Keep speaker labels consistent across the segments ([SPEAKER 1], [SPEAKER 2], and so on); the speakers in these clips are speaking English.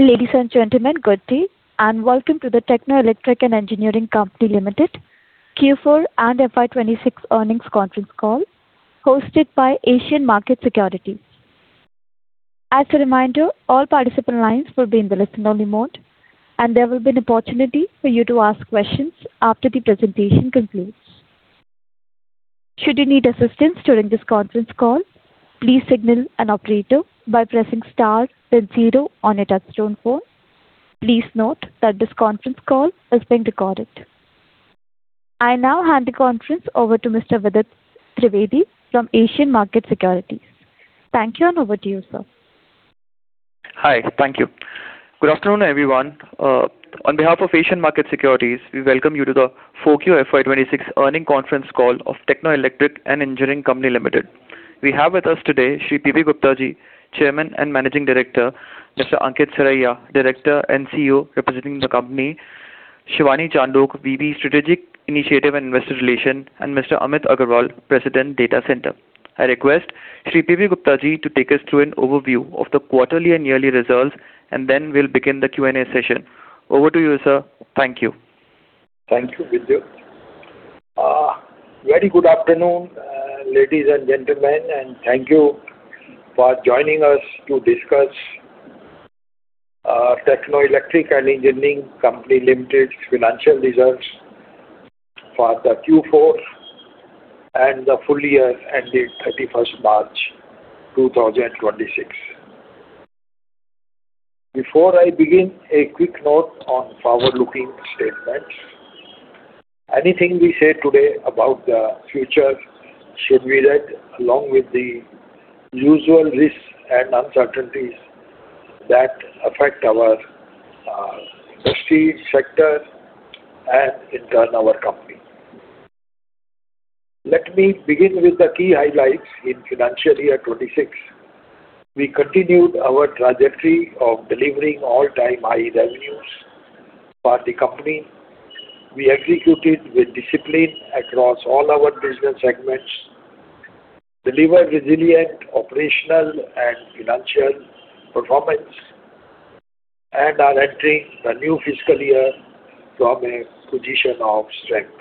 [SPEAKER 1] Ladies and gentlemen, good day, and welcome to the Techno Electric & Engineering Company Limited Q4 and FY 2026 earnings conference call hosted by Asian Market Securities. As a reminder, all participant lines will be in the listen only mode, and there will be an opportunity for you to ask questions after the presentation concludes. Should you need assistance during this conference call, please signal an operator by pressing star then zero on your touchtone phone. Please note that this conference call is being recorded. I now hand the conference over to Mr. Vidit Trivedi from Asian Market Securities. Thank you, and over to you, sir.
[SPEAKER 2] Hi. Thank you. Good afternoon, everyone. On behalf of Asian Market Securities, we welcome you to the 4Q FY 2026 earnings conference call of Techno Electric & Engineering Company Limited. We have with us today Shri P.P. Gupta, Chairman and Managing Director; Mr. Ankit Saraiya, Director and CEO representing the company; Shivani Chandok, V.P., Strategic Initiative and Investor Relations; and Mr. Amit Aggarwal, President, Data Center. I request Shri P.P. Gupta to take us through an overview of the quarterly and yearly results, and then we'll begin the Q&A session. Over to you, sir. Thank you.
[SPEAKER 3] Thank you, Vidit. Very good afternoon, ladies and gentlemen, and thank you for joining us to discuss Techno Electric & Engineering Company Limited's financial results for the Q4 and the full year ended March 31st, 2026. Before I begin, a quick note on forward-looking statements. Anything we say today about the future should be read along with the usual risks and uncertainties that affect our industry, sector, and, in turn, our company. Let me begin with the key highlights in financial year 2026. We continued our trajectory of delivering all-time high revenues for the company. We executed with discipline across all our business segments, delivered resilient operational and financial performance, and are entering the new fiscal year from a position of strength.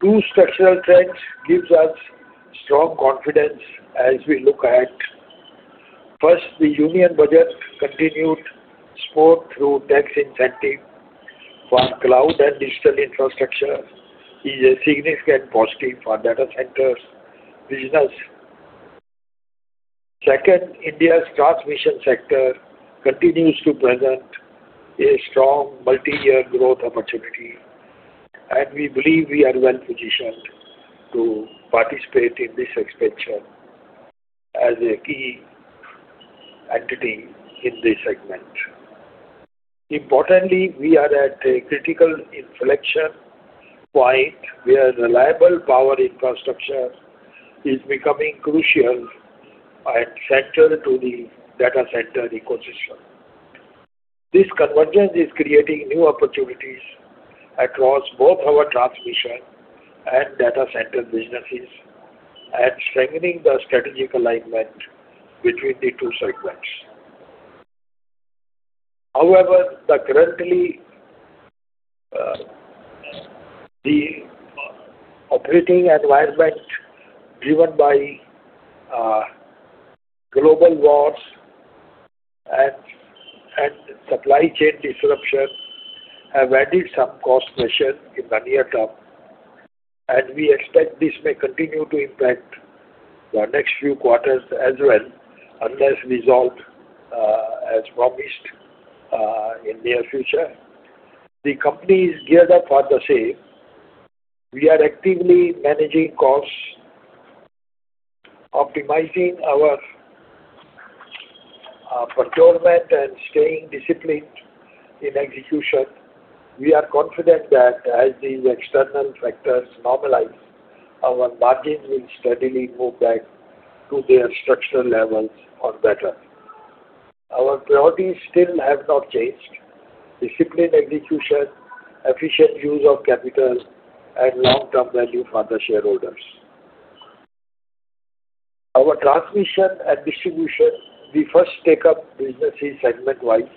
[SPEAKER 3] Two structural trends gives us strong confidence as we look at. First, the Union Budget continued support through tax incentive for cloud and digital infrastructure is a significant positive for data centers business. Second, India's transmission sector continues to present a strong multiyear growth opportunity, and we believe we are well-positioned to participate in this expansion as a key entity in this segment. Importantly, we are at a critical inflection point where reliable power infrastructure is becoming crucial and central to the data center ecosystem. This convergence is creating new opportunities across both our transmission and data center businesses and strengthening the strategic alignment between the two segments. However, currently, the operating environment driven by global wars and supply chain disruption have added some cost pressure in the near term, and we expect this may continue to impact the next few quarters as well unless resolved as promised in near future. The company is geared up for the same. We are actively managing costs, optimizing our procurement, and staying disciplined in execution. We are confident that as these external factors normalize, our margins will steadily move back to their structural levels or better. Our priorities still have not changed. Disciplined execution, efficient use of capital, and long-term value for the shareholders. Our Transmission and Distribution, we first take up businesses segment-wise.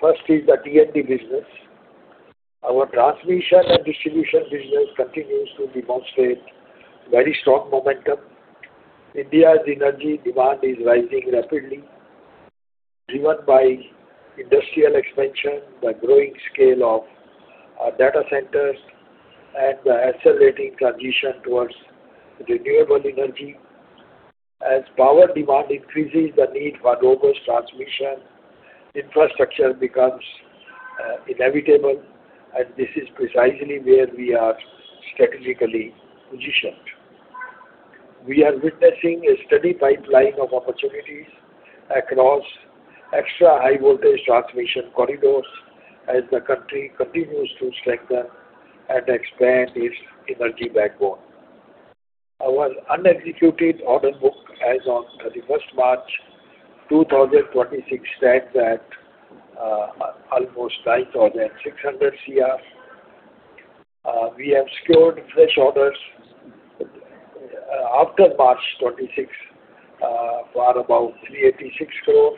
[SPEAKER 3] First is the T&D business. Our Transmission and Distribution business continues to demonstrate very strong momentum. India's energy demand is rising rapidly, driven by industrial expansion, the growing scale of our data centers, and the accelerating transition towards renewable energy. As power demand increases, the need for robust transmission infrastructure becomes inevitable, and this is precisely where we are strategically positioned. We are witnessing a steady pipeline of opportunities across extra high voltage transmission corridors as the country continues to strengthen and expand its energy backbone. Our unexecuted order book as on March 31st, 2026 stands at almost 9,600 crore. We have secured fresh orders after March 26, for about 386 crore,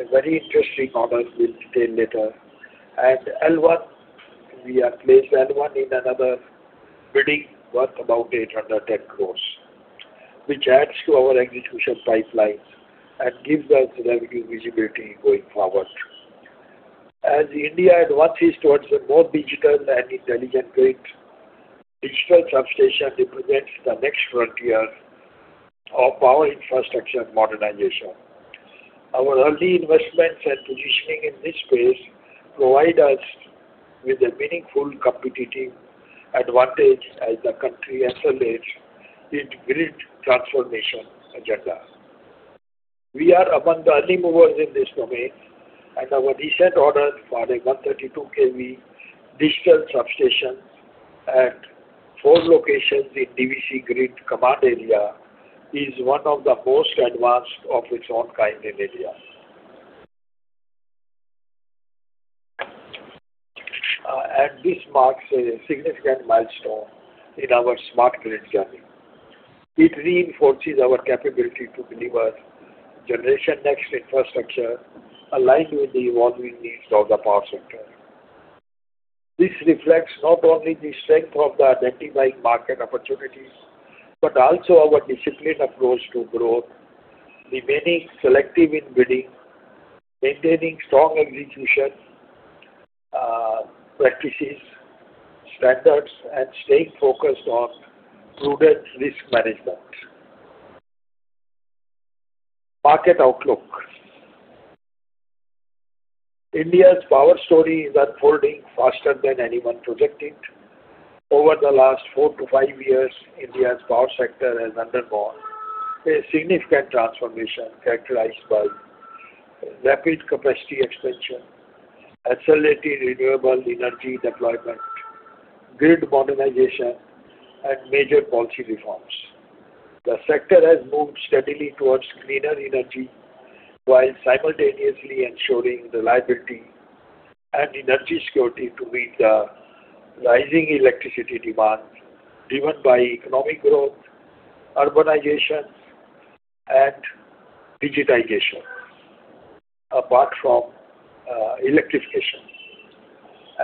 [SPEAKER 3] a very interesting order will be detailed later. L1, we have placed L1 in another bidding worth about 810 crore, which adds to our execution pipelines and gives us revenue visibility going forward. As India advances towards a more digital and intelligent grid, digital substation represents the next frontier of power infrastructure modernization. Our early investments and positioning in this space provide us with a meaningful competitive advantage as the country accelerates its grid transformation agenda. We are among the leaders in this domain, and our recent order for 132 kV digital substation at four locations in DVC grid command area is one of the most advanced of its own kind in India. This marks a significant milestone in our smart grid journey. It reinforces our capability to deliver generation-next infrastructure aligned with the evolving needs of the power sector. This reflects not only the strength of identifying market opportunities but also our disciplined approach to growth, remaining selective in bidding, maintaining strong execution practices, standards, and staying focused on prudent risk management. Market outlook. India's power story is unfolding faster than anyone projected. Over the last four to five years, India's power sector has undergone a significant transformation characterized by rapid capacity expansion, accelerated renewable energy deployment, grid modernization, and major policy reforms. The sector has moved steadily towards cleaner energy while simultaneously ensuring reliability and energy security to meet the rising electricity demand driven by economic growth, urbanization, and digitization. Apart from electrification,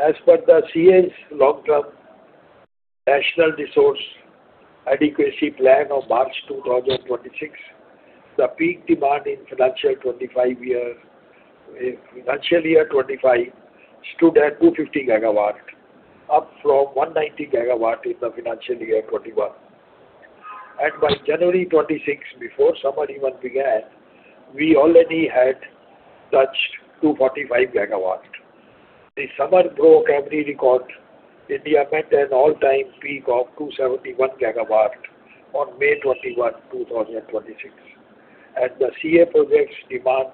[SPEAKER 3] as per the CEA's Long-Term National Resource Adequacy Plan of March 2026, the peak demand in financial year 2025 stood at 250 GW up from 190 GW in the financial year 2021. By January 2026, before summer even began, we already had touched 245 GW. The summer broke every record. India met an all-time peak of 271 GW on May 21, 2026, and the CEA projects demand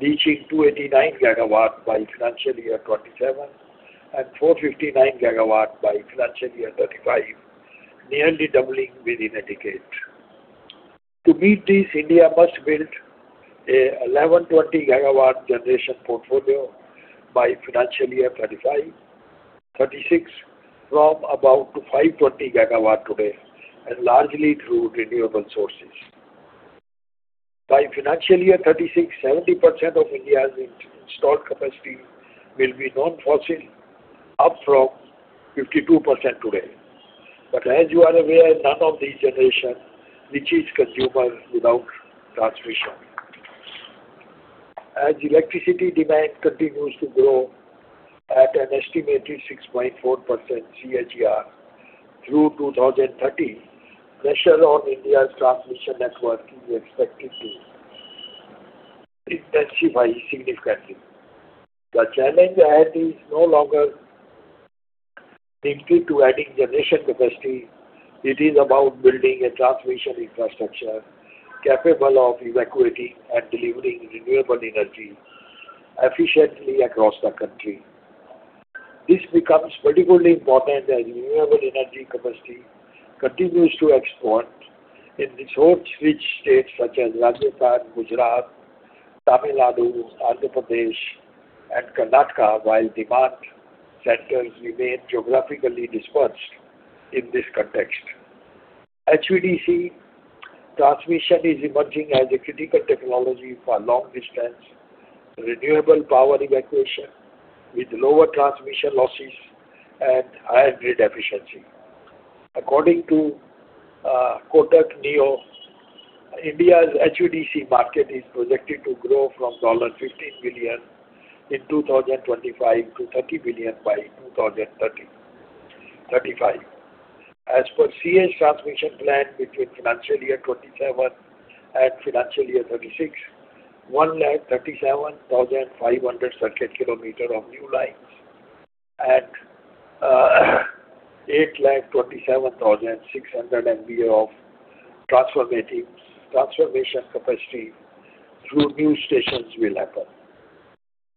[SPEAKER 3] reaching 289 GW by financial year 2027 and 459 GW by financial year 2035, nearly doubling within a decade. To meet this, India must build an 1,120 GW generation portfolio by financial year 2035-2036 from about 520 GW today, and largely through renewable sources. By financial year 2036, 70% of India's installed capacity will be non-fossil, up from 52% today. As you are aware, none of the generation reaches consumers without transmission. As electricity demand continues to grow at an estimated 6.4% CAGR through 2030, pressure on India's transmission network is expected to intensify significantly. The challenge ahead is no longer linked to adding generation capacity. It is about building a transmission infrastructure capable of evacuating and delivering renewable energy efficiently across the country. This becomes particularly important as renewable energy capacity continues to expand in resource-rich states such as Rajasthan, Gujarat, Tamil Nadu, Andhra Pradesh, and Karnataka, while demand centers remain geographically dispersed in this context. HVDC transmission is emerging as a critical technology for long-distance renewable power evacuation, with lower transmission losses and higher grid efficiency. According to Kotak Neo, India's HVDC market is projected to grow from $15 billion in 2025 to $30 billion by 2035. As per CEA's transmission plan between financial year 2027 and financial year 2036, 137,530 km of new lines and 827,600 MVA of transformation capacity through new stations will happen,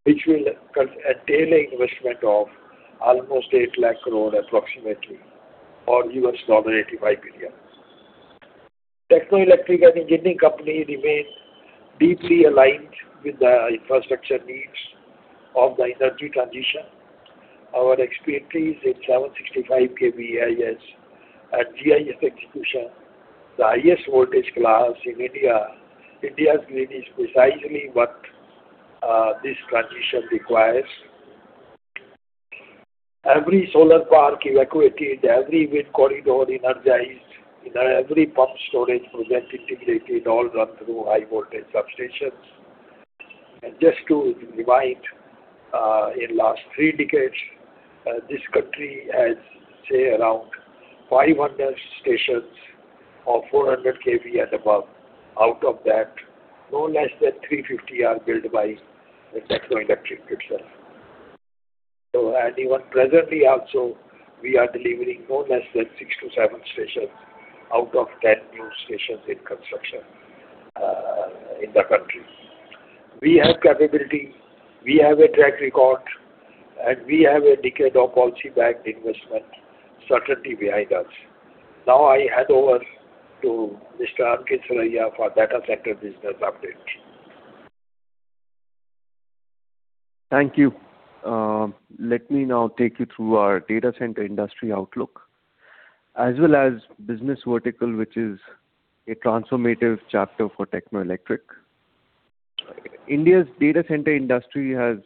[SPEAKER 3] which will entail investment of almost 8 lakh crore approximately or $95 billion. Techno Electric & Engineering Company remains deeply aligned with the infrastructure needs of the energy transition. Our expertise in 765 kV AIS and GIS execution, the highest voltage class in India. India's grid is precisely what this transition requires. Every solar park evacuated, every wind corridor energized, every pump storage project integrated, all run through high voltage substations. Just to remind, in last three decades, this country has, say, around 500 stations of 400 kV and above. Out of that, no less than 350 are built by Techno Electric itself. Even presently also, we are delivering no less than six to seven stations out of 10 new stations in construction in the country. We have capability, we have a track record, and we have a decade of policy backed investment certainty behind us. I hand over to Mr. Ankit Saraiya for data center business update.
[SPEAKER 4] Thank you. Let me now take you through our data center industry outlook as well as business vertical, which is a transformative chapter for Techno Electric. India's data center industry has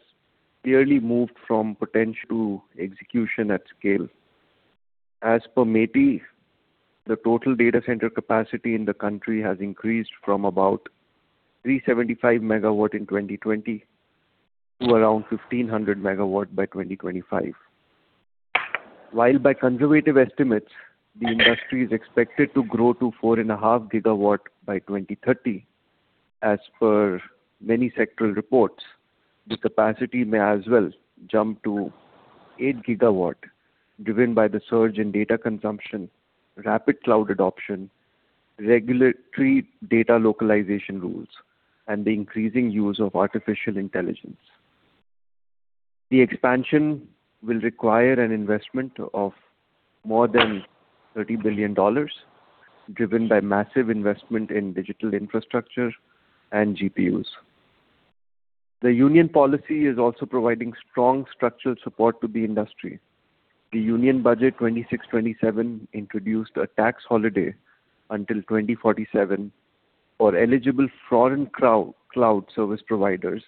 [SPEAKER 4] clearly moved from potential to execution at scale. As per MeitY, the total data center capacity in the country has increased from about 375 MW in 2020 to around 1,500 MW by 2025. While by conservative estimates, the industry is expected to grow to 4.5 GW by 2030. As per many sectoral reports, the capacity may as well jump to 8 GW, driven by the surge in data consumption, rapid cloud adoption, regulatory data localization rules, and the increasing use of artificial intelligence. The expansion will require an investment of more than INR 30 billion, driven by massive investment in digital infrastructure and GPUs. The union policy is also providing strong structural support to the industry. The Union Budget 2026/2027 introduced a tax holiday until 2047 for eligible foreign cloud service providers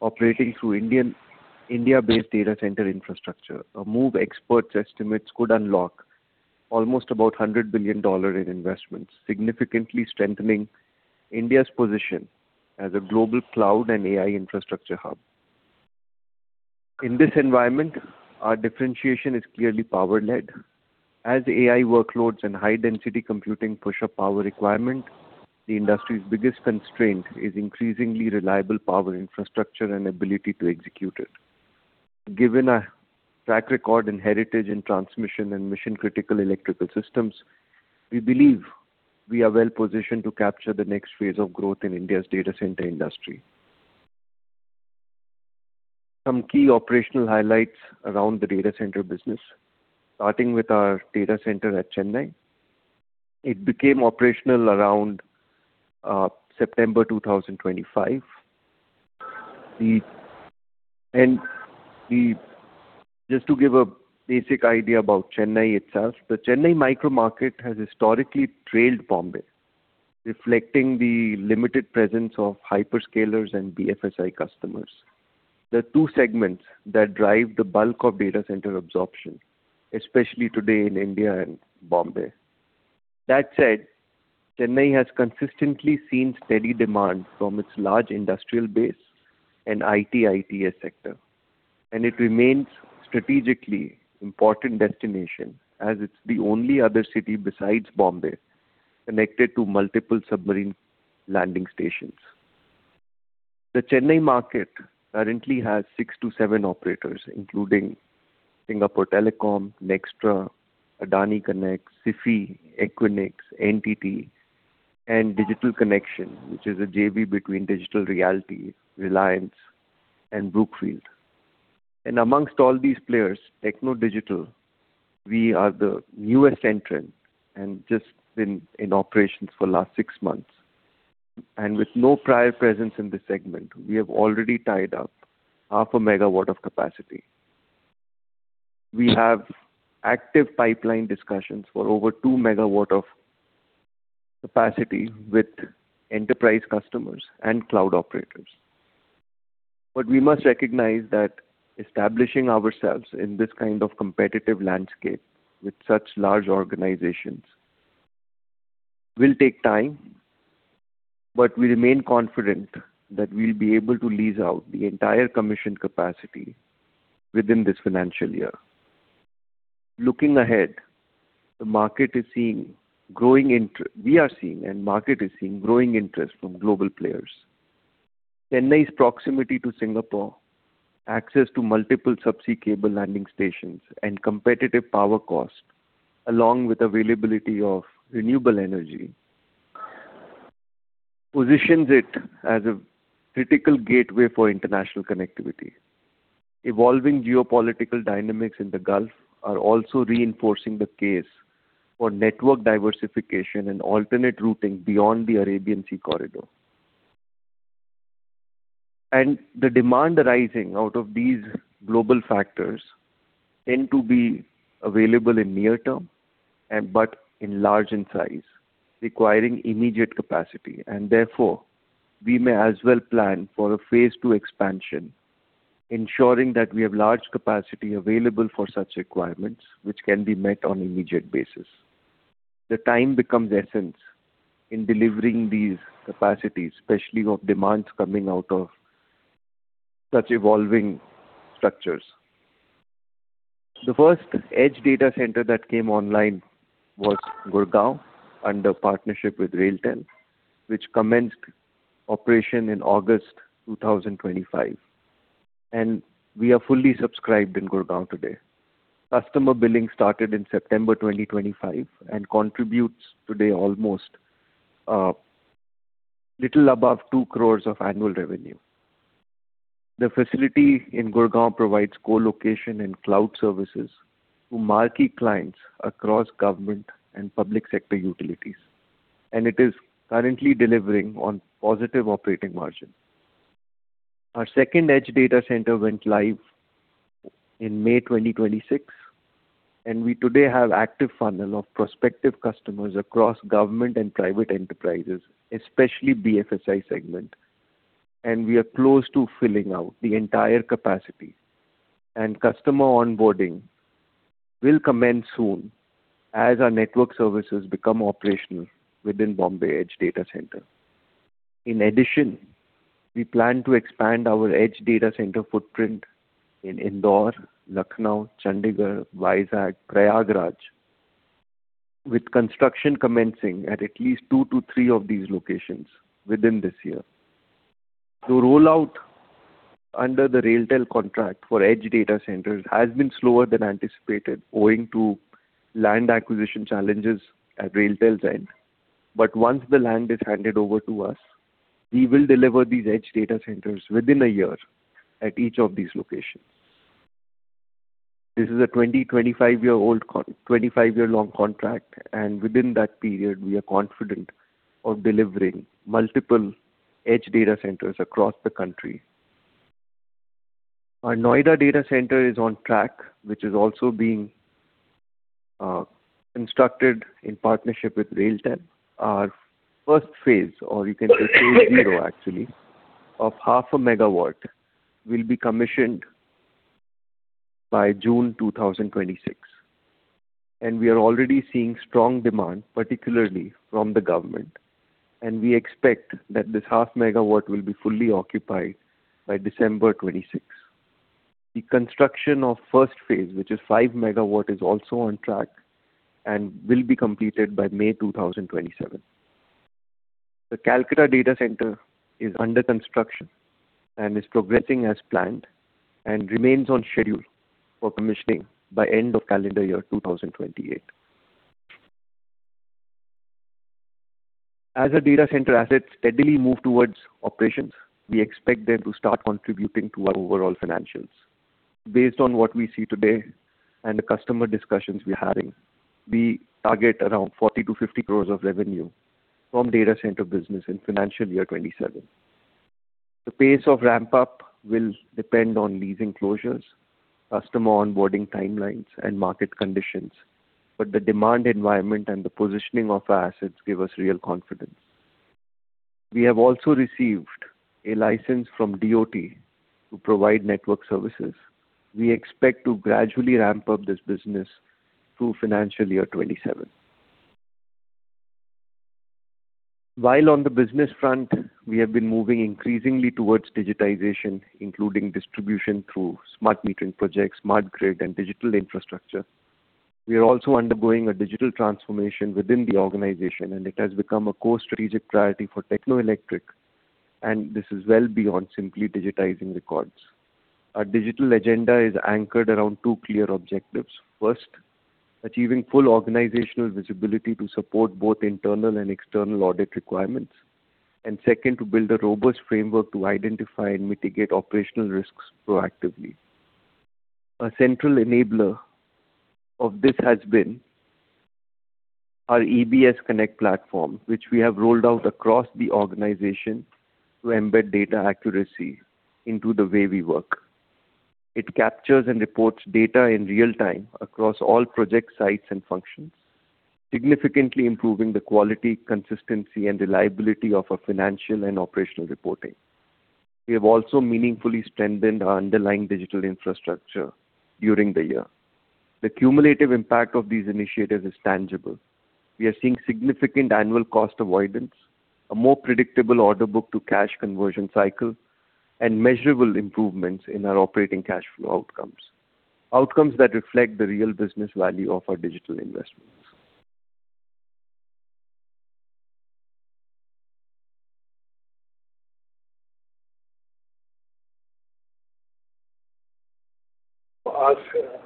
[SPEAKER 4] operating through India-based data center infrastructure. A move experts estimate could unlock almost about $100 billion in investments, significantly strengthening India's position as a global cloud and AI infrastructure hub. In this environment, our differentiation is clearly power-led. As AI workloads and high-density computing push up power requirement, the industry's biggest constraint is increasingly reliable power infrastructure and ability to execute it. Given our track record and heritage in transmission and mission-critical electrical systems, we believe we are well positioned to capture the next phase of growth in India's data center industry. Some key operational highlights around the data center business, starting with our data center at Chennai. It became operational around September 2025. Just to give a basic idea about Chennai itself, the Chennai micro market has historically trailed Bombay, reflecting the limited presence of hyperscalers and BFSI customers. The two segments that drive the bulk of data center absorption, especially today in India and Bombay. That said, Chennai has consistently seen steady demand from its large industrial base and IT/ITeS sector, and it remains strategically important destination as it's the only other city besides Bombay connected to multiple submarine landing stations. The Chennai market currently has six to seven operators, including Singapore Telecom, Nxtra, AdaniConneX, Sify, Equinix, NTT, and Digital Connexion, which is a JV between Digital Realty, Reliance, and Brookfield. Amongst all these players, Techno Digital, we are the newest entrant and just been in operations for last six months. With no prior presence in this segment, we have already tied up half a megawatt of capacity. We have active pipeline discussions for over 2 MW of capacity with enterprise customers and cloud operators. We must recognize that establishing ourselves in this kind of competitive landscape with such large organizations will take time, but we remain confident that we'll be able to lease out the entire commission capacity within this financial year. Looking ahead, we are seeing and market is seeing growing interest from global players. Chennai's proximity to Singapore, access to multiple subsea cable landing stations, and competitive power cost, along with availability of renewable energy positions it as a critical gateway for international connectivity. Evolving geopolitical dynamics in the Gulf are also reinforcing the case for network diversification and alternate routing beyond the Arabian Sea corridor. The demand arising out of these global factors tend to be available in near term, but large in size, requiring immediate capacity. Therefore, we may as well plan for a phase II expansion, ensuring that we have large capacity available for such requirements, which can be met on immediate basis. The time becomes essence in delivering these capacities, especially of demands coming out of such evolving structures. The first edge data center that came online was Gurgaon, under partnership with RailTel, which commenced operation in August 2025. We are fully subscribed in Gurgaon today. Customer billing started in September 2025, contributes today almost little above 2 crore of annual revenue. The facility in Gurgaon provides co-location and cloud services to marquee clients across government and public sector utilities. It is currently delivering on positive operating margin. Our second edge data center went live in May 2026. We today have active funnel of prospective customers across government and private enterprises, especially BFSI segment. We are close to filling out the entire capacity. Customer onboarding will commence soon as our network services become operational within Bombay edge data center. In addition, we plan to expand our edge data center footprint in Indore, Lucknow, Chandigarh, Vizag, Prayagraj, with construction commencing at least two to three of these locations within this year. The rollout under the RailTel contract for edge data centers has been slower than anticipated, owing to land acquisition challenges at RailTel's end. Once the land is handed over to us, we will deliver these edge data centers within a year at each of these locations. This is a 25-year-long contract, and within that period, we are confident of delivering multiple edge data centers across the country. Our Noida data center is on track, which is also being constructed in partnership with RailTel. Our first phase, or you can say phase zero actually, of half a megawatt will be commissioned by June 2026. We are already seeing strong demand, particularly from the government, and we expect that this half megawatt will be fully occupied by December 2026. The construction of first phase, which is 5 MW, is also on track and will be completed by May 2027. The Kolkata data center is under construction and is progressing as planned and remains on schedule for commissioning by end of calendar year 2028. As our data center assets steadily move towards operations, we expect them to start contributing to our overall financials. Based on what we see today and the customer discussions we're having, we target around 40 crore-50 crore of revenue from data center business in financial year 2027. The pace of ramp-up will depend on lease enclosures, customer onboarding timelines, and market conditions, but the demand environment and the positioning of our assets give us real confidence. We have also received a license from DoT to provide network services. We expect to gradually ramp up this business through financial year 2027. While on the business front, we have been moving increasingly towards digitization, including distribution through smart metering projects, smart grid, and digital infrastructure. We are also undergoing a digital transformation within the organization, and it has become a core strategic priority for Techno Electric. This is well beyond simply digitizing records. Our digital agenda is anchored around two clear objectives. First, achieving full organizational visibility to support both internal and external audit requirements. Second, to build a robust framework to identify and mitigate operational risks proactively. A central enabler of this has been our EBS Connect platform, which we have rolled out across the organization to embed data accuracy into the way we work. It captures and reports data in real time across all project sites and functions, significantly improving the quality, consistency, and reliability of our financial and operational reporting. We have also meaningfully strengthened our underlying digital infrastructure during the year. The cumulative impact of these initiatives is tangible. We are seeing significant annual cost avoidance, a more predictable order book to cash conversion cycle, and measurable improvements in our operating cash flow outcomes that reflect the real business value of our digital investments.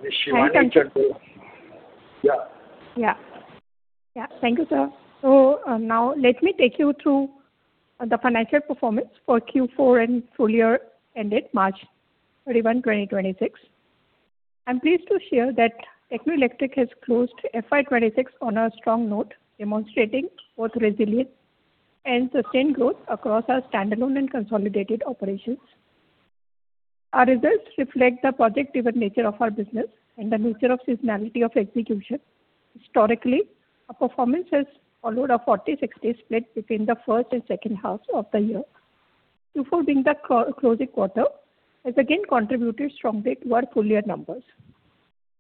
[SPEAKER 3] Ask Shivani Chandok.
[SPEAKER 5] Thank you, sir. Now let me take you through the financial performance for Q4 and full year ended March 31, 2026. I am pleased to share that Techno Electric has closed FY 2026 on a strong note, demonstrating both resilience and sustained growth across our standalone and consolidated operations. Our results reflect the predictable nature of our business and the mature seasonality of execution. Historically, our performance has followed a 40/60 split between the first and second half of the year. In the closing quarter, has again contributed strongly to our full year numbers.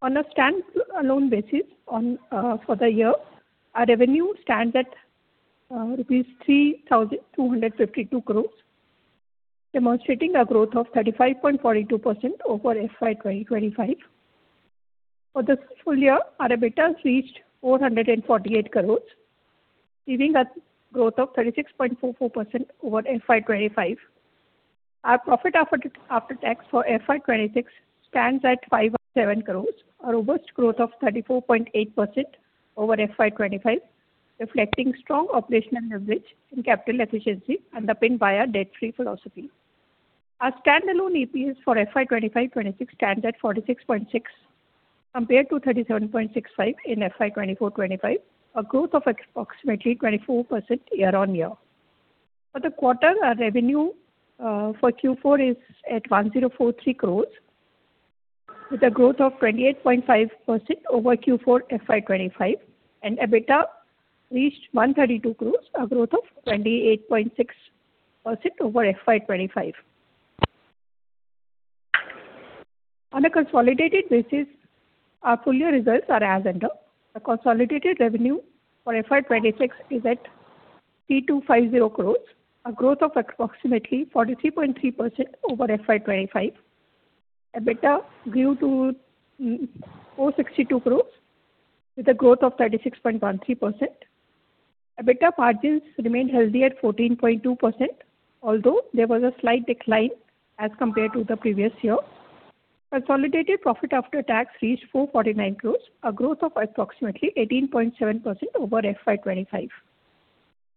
[SPEAKER 5] On a standalone basis for the year, our revenue stands at rupees 3,252 crores, demonstrating a growth of 35.42% over FY 2025. For the full year, our EBITDA reached 448 crores, giving us growth of 36.44% over FY 2025. Our profit after tax for FY 2026 stands at 507 crore, a robust growth of 34.8% over FY 2025, reflecting strong operational leverage and capital efficiency underpinned by our debt-free philosophy. Our standalone EPS for FY 2025/2026 stands at 46.6, compared to 37.65 in FY 2024/2025, a growth of approximately 24% year-on-year. For the quarter, our revenue for Q4 is at 1,043 crore, with a growth of 28.5% over Q4 FY 2025, and EBITDA reached 132 crore, a growth of 28.6% over FY 2025. On a consolidated basis, our full year results are as under. The consolidated revenue for FY 2026 is at 3,250 crore, a growth of approximately 43.3% over FY 2025. EBITDA grew to 462 crore, with a growth of 36.13%. EBITDA margins remained healthy at 14.2%, although there was a slight decline as compared to the previous year. Our consolidated profit after tax reached 449 crore, a growth of approximately 18.7% over FY 2025.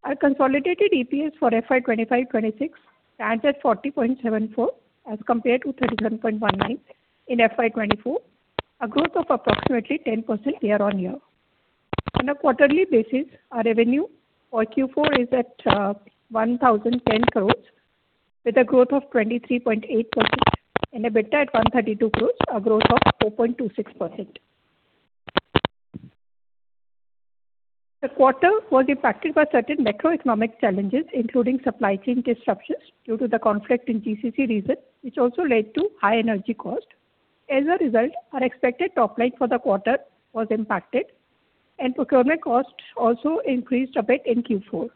[SPEAKER 5] Our consolidated EPS for FY 2025/2026 stands at 40.74 as compared to 31.19 in FY 2024, a growth of approximately 10% year-on-year. On a quarterly basis, our revenue for Q4 is at 1,010 crore with a growth of 23.8%, and EBITDA at 132 crore, a growth of 4.26%. The quarter was impacted by certain macroeconomic challenges, including supply chain disruptions due to the conflict in GCC region, which also led to high energy cost. As a result, our expected top line for the quarter was impacted, and procurement costs also increased a bit in Q4.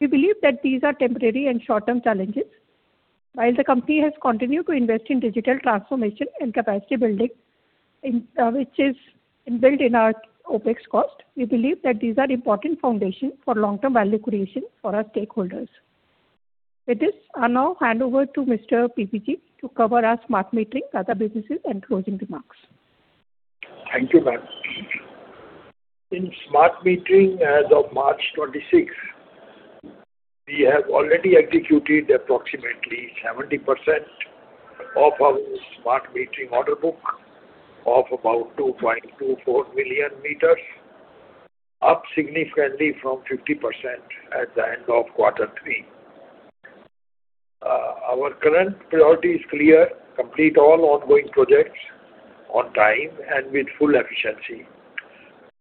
[SPEAKER 5] We believe that these are temporary and short-term challenges. While the company has continued to invest in digital transformation and capacity building, which is built in our OpEx cost, we believe that these are important foundations for long-term value creation for our stakeholders. With this, I now hand over to Mr. P.P.G. to cover our smart metering, other businesses, and closing remarks.
[SPEAKER 3] Thank you, ma'am. In smart metering as of March 26, we have already executed approximately 70% of our smart metering order book of about 2.24 million m, up significantly from 50% at the end of quarter three. Our current priority is clear: complete all ongoing projects on time and with full efficiency.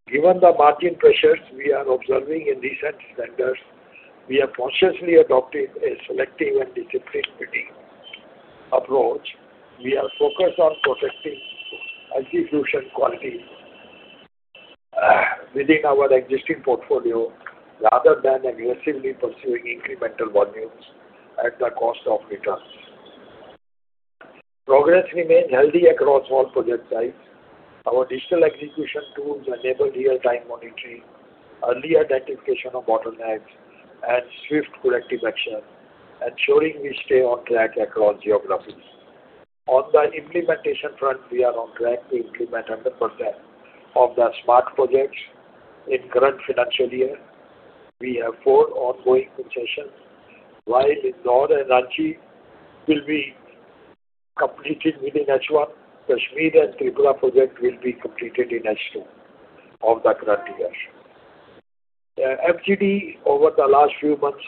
[SPEAKER 3] Given the margin pressures we are observing in recent tenders, we are consciously adopting a selective and disciplined bidding approach. We are focused on protecting execution quality within our existing portfolio rather than aggressively pursuing incremental volumes at the cost of returns. Progress remains healthy across all project sites. Our digital execution tools enable real-time monitoring, early identification of bottlenecks, and swift corrective action, ensuring we stay on track across geographies. On the implementation front, we are on track to implement 100% of the smart projects in current financial year. We have four ongoing concessions. While Indore and Ranchi will be completed within H1, Kashmir and Tripura project will be completed in H2 of the current year. The FGD over the last few months,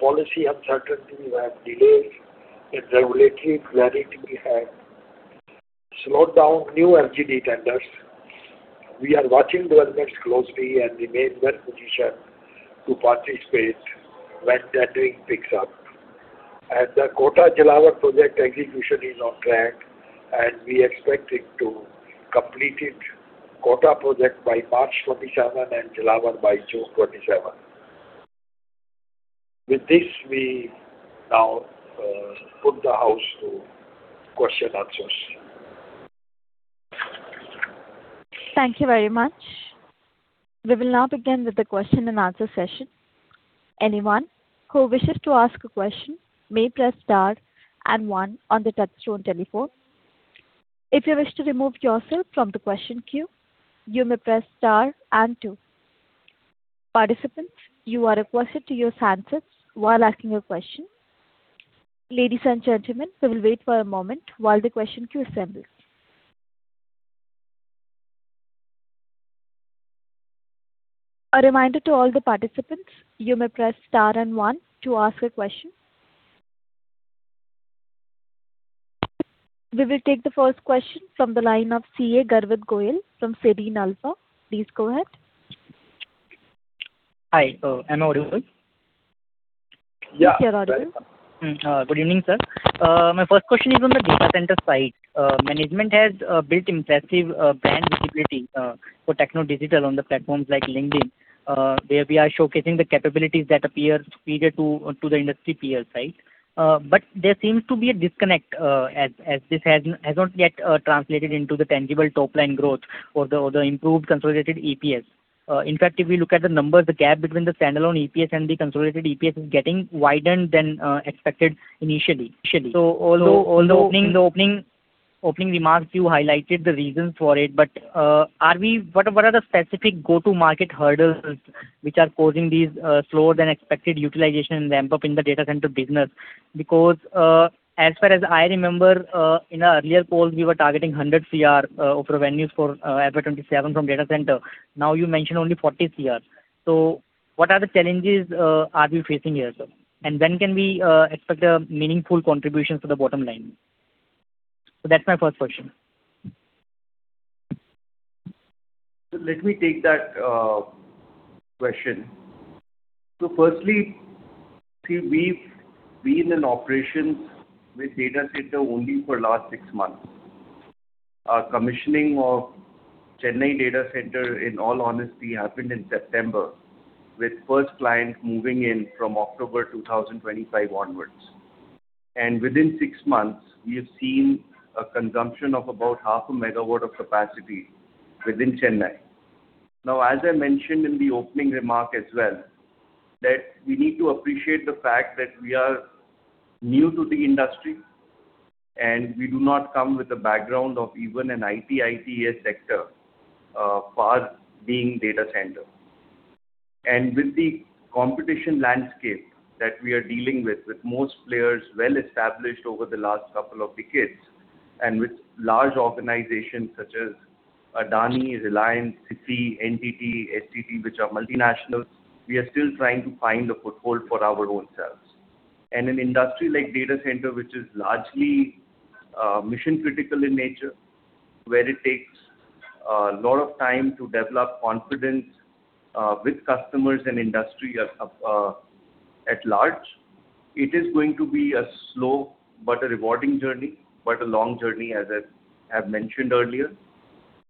[SPEAKER 3] policy uncertainty and delays in regulatory clarity have slowed down new FGD tenders. We are watching developments closely and remain well-positioned to participate when tendering picks up. The Kota and Jhalawar project execution is on track, and we expect it to complete Kota project by March 2027 and Jhalawar by June 2027. With this, we now put the house to question and answers.
[SPEAKER 1] Thank you very much. We will now begin with the question-and-answer session. Anyone who wishes to ask a question may press star and one on the touchtone telephone. If you wish to remove yourself from the question queue, you may press star and two. Participants, you are requested to use handsets while asking a question. Ladies and gentlemen, we will wait for a moment while the question queue assembles. A reminder to all the participants, you may press star and one to ask a question. We will take the first question from the line of CA Garvit Goyal from Serene Alpha. Please go ahead.
[SPEAKER 6] Hi. Am I audible?
[SPEAKER 4] Yeah.
[SPEAKER 1] Yes, you're audible.
[SPEAKER 6] Good evening, sir. My first question is on the data center side. Management has built impressive brand visibility for Techno Digital on the platforms like LinkedIn, where we are showcasing the capabilities that appear superior to the industry peer side. There seems to be a disconnect, as this has not yet translated into the tangible top-line growth or the improved consolidated EPS. In fact, if we look at the numbers, the gap between the standalone EPS and the consolidated EPS is getting widened than expected initially. Although in the opening remarks you highlighted the reasons for it, but what are the specific go-to-market hurdles which are causing these slower than expected utilization and ramp-up in the data center business? As far as I remember, in our earlier calls, we were targeting 100 crore of revenues for FY 2027 from data center. Now you mentioned only 40 crore. What are the challenges are we facing here, sir? When can we expect a meaningful contribution to the bottom line? That's my first question.
[SPEAKER 4] Let me take that question. Firstly, we've been in operations with data center only for last six months. Our commissioning of Chennai data center, in all honesty, happened in September, with first client moving in from October 2025 onwards. Within six months, we have seen a consumption of about half a megawatt of capacity within Chennai. As I mentioned in the opening remark as well, that we need to appreciate the fact that we are new to the industry, and we do not come with a background of even an IT/ITeS sector, far being data center. With the competition landscape that we are dealing with most players well established over the last couple of decades, and with large organizations such as Adani, Reliance, Sify, NTT, STT, which are multinationals, we are still trying to find a foothold for our own selves. An industry like data center, which is largely mission-critical in nature, where it takes a lot of time to develop confidence with customers and industry at large, it is going to be a slow but a rewarding journey, but a long journey, as I have mentioned earlier.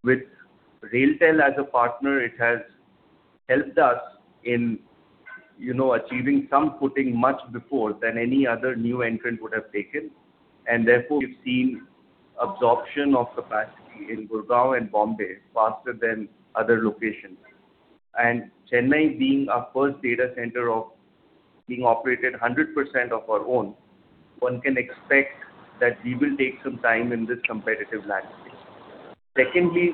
[SPEAKER 4] With RailTel as a partner, it has helped us in achieving some footing much before than any other new entrant would have taken. Therefore, we've seen absorption of capacity in Gurgaon and Bombay faster than other locations. Chennai being our first data center being operated 100% of our own, one can expect that we will take some time in this competitive landscape. Secondly,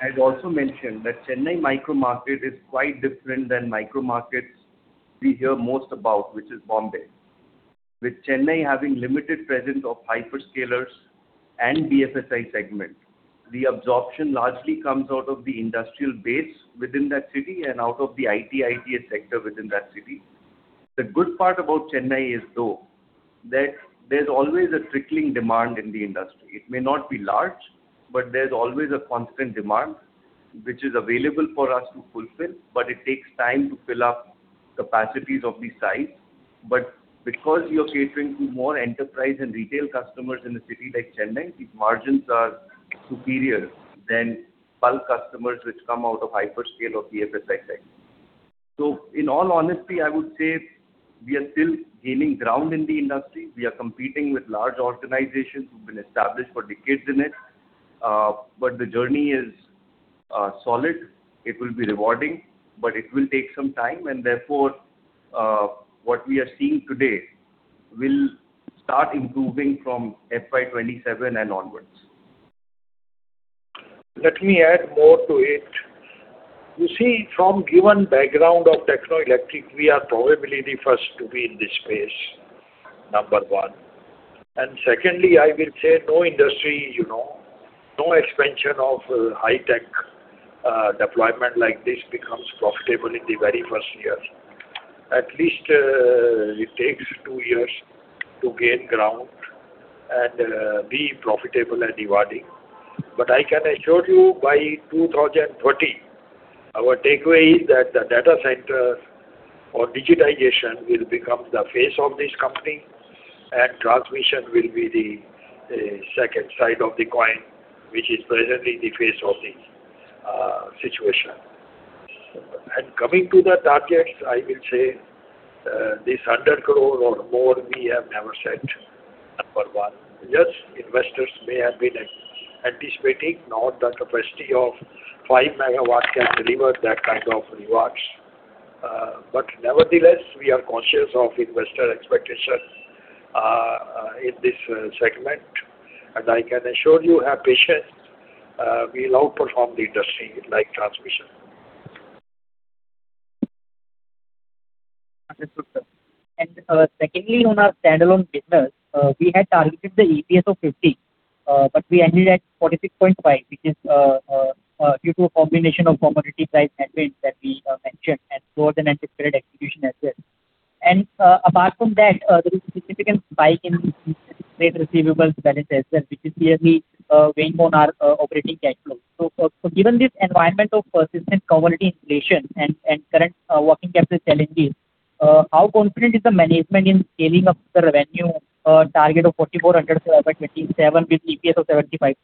[SPEAKER 4] I had also mentioned that Chennai micro market is quite different than micro markets we hear most about, which is Bombay. With Chennai having limited presence of hyperscalers and BFSI segment. The absorption largely comes out of the industrial base within that city and out of the IT/ITeS sector within that city. The good part about Chennai is, though, that there's always a trickling demand in the industry. It may not be large, but there's always a constant demand, which is available for us to fulfill, but it takes time to fill up capacities of this size. Because you're catering to more enterprise and retail customers in a city like Chennai, these margins are superior than bulk customers which come out of hyperscale or BFSI segment. In all honesty, I would say we are still gaining ground in the industry. We are competing with large organizations who've been established for decades in it. The journey is solid. It will be rewarding, but it will take some time, and therefore, what we are seeing today will start improving from FY 2027 and onwards.
[SPEAKER 3] Let me add more to it. You see, from given background of Techno Electric, we are probably the first to be in this space, number one. Secondly, I will say no industry, no expansion of high tech deployment like this becomes profitable in the very first year. At least it takes two years to gain ground and be profitable and rewarding. I can assure you by 2030, our takeaway is that the data center or digitization will become the face of this company, and transmission will be the second side of the coin, which is presently the face of the situation. Coming to the targets, I will say this 100 crore or more we have never said, number one. Yes, investors may have been anticipating, not the capacity of 5 MW can deliver that kind of rewards. Nevertheless, we are conscious of investor expectation in this segment, and I can assure you we are patient. We'll outperform the industry in light transmission.
[SPEAKER 6] Understood, sir. Secondly, on our standalone business, we had targeted the EPS of 50, but we ended at 46.5, which is due to a combination of commodity price headwinds that we mentioned and lower-than-anticipated execution as well. Apart from that, there is a significant spike in the trade receivables balances, which is really weighing on our operating cash flow. Given this environment of persistent commodity inflation and current working capital challenges, how confident is the management in scaling up the revenue target of 4,400 crore for FY 2027 with EPS of INR 75?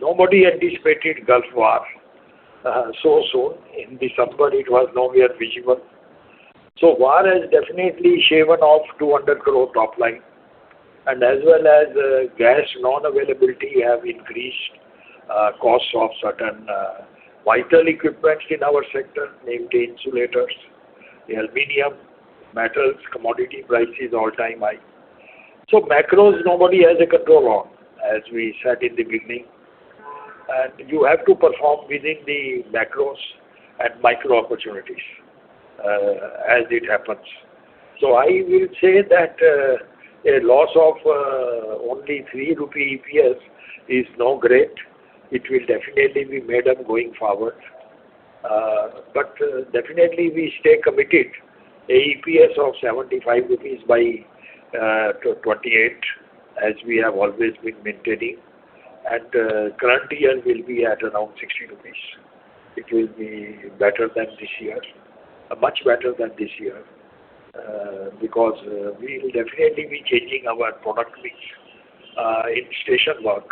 [SPEAKER 3] Nobody anticipated Gulf War so soon. In December, it was nowhere visible. War has definitely shaven off 200 crore top line and as well as gas non-availability have increased costs of certain vital equipment in our sector, namely insulators, aluminum, metals, commodity prices all-time high. Macros, nobody has a control on, as we said in the beginning. You have to perform within the macros at micro opportunities as it happens. I will say that a loss of only 3 rupee EPS is no great, which will definitely be made up going forward. Definitely we stay committed. A EPS of 75 rupees by 2028, as we have always been maintaining. Current year will be at around 60 rupees. It will be better than this year, much better than this year, because we will definitely be changing our product mix in station work,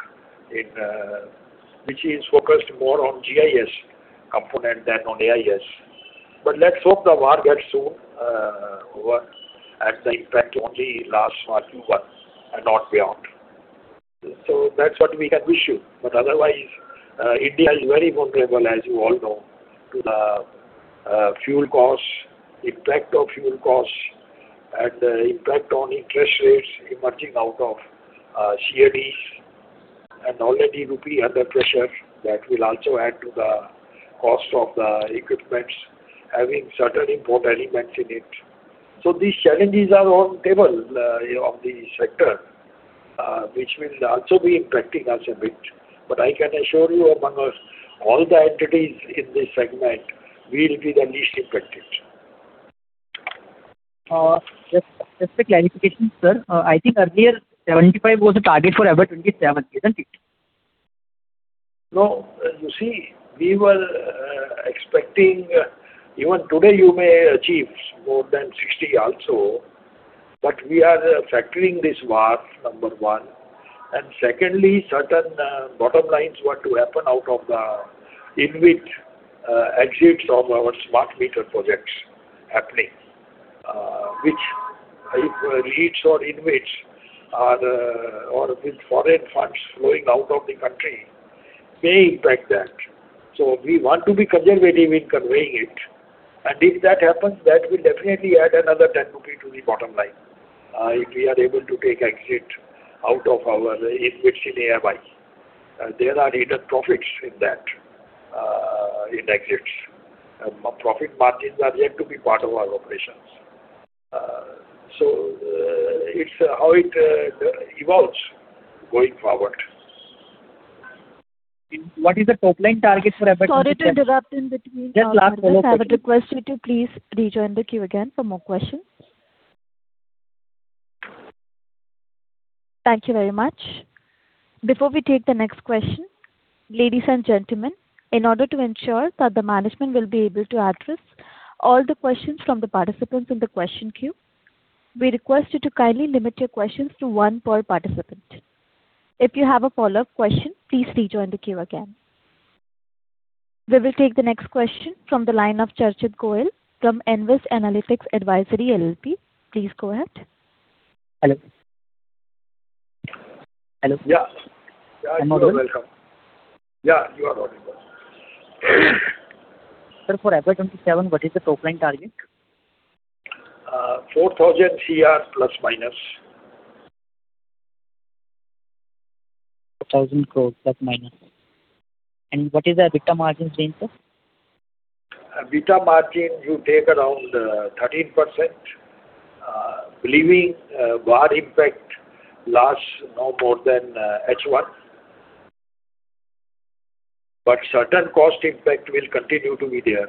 [SPEAKER 3] which is focused more on GIS component than on AIS. Let’s hope the war gets soon over and the impact only lasts for a few months and not beyond. That’s what we can wish you. Otherwise, India is very vulnerable, as you all know, to the fuel costs, impact of fuel costs, and the impact on interest rates emerging out of [series] and already rupee under pressure. That will also add to the cost of the equipments having certain import elements in it. These challenges are on table of the sector, which will also be impacting us a bit. I can assure you among all the entities in this segment, we will be the least impacted.
[SPEAKER 6] Just a clarification, sir. I think earlier 75 was the target for FY 2027, isn’t it?
[SPEAKER 3] No. You see, we were expecting, even today you may achieve more than 60 also, we are factoring this war, number one. Secondly, certain bottom lines were to happen out of the in which exits of our smart meter projects happening, which if leads or in which are with foreign funds flowing out of the country may impact that. We want to be conservative in conveying it. If that happens, that will definitely add another 10 rupees to the bottom line if we are able to take a hit out of our investments in AMI. There are hidden profits in that, in exits. Profit margins are yet to be part of our operations. It’s how it evolves going forward.
[SPEAKER 6] What is the top line targets for FY 2027?
[SPEAKER 1] Sorry to interrupt in between.
[SPEAKER 6] Yeah.
[SPEAKER 1] We request you to please rejoin the queue again for more questions. Thank you very much. Before we take the next question, ladies and gentlemen, in order to ensure that the management will be able to address all the questions from the participants in the question queue, we request you to kindly limit your questions to one per participant. If you have a follow-up question, please rejoin the queue again. We will take the next question from the line of [Garvit] Goel from Envis Analytics Advisory LLP. Please go ahead.
[SPEAKER 7] Hello? Hello?
[SPEAKER 3] Yeah.
[SPEAKER 7] Am I audible?
[SPEAKER 3] Yeah, you are audible.
[SPEAKER 7] Sir, for FY 2027, what is the top line target?
[SPEAKER 3] 4,000± crore.
[SPEAKER 7] 4,000± crores. What is our EBITDA margin change, sir?
[SPEAKER 3] EBITDA margin, you take around 13%, believing war impact lasts no more than H1. Certain cost impact will continue to be there.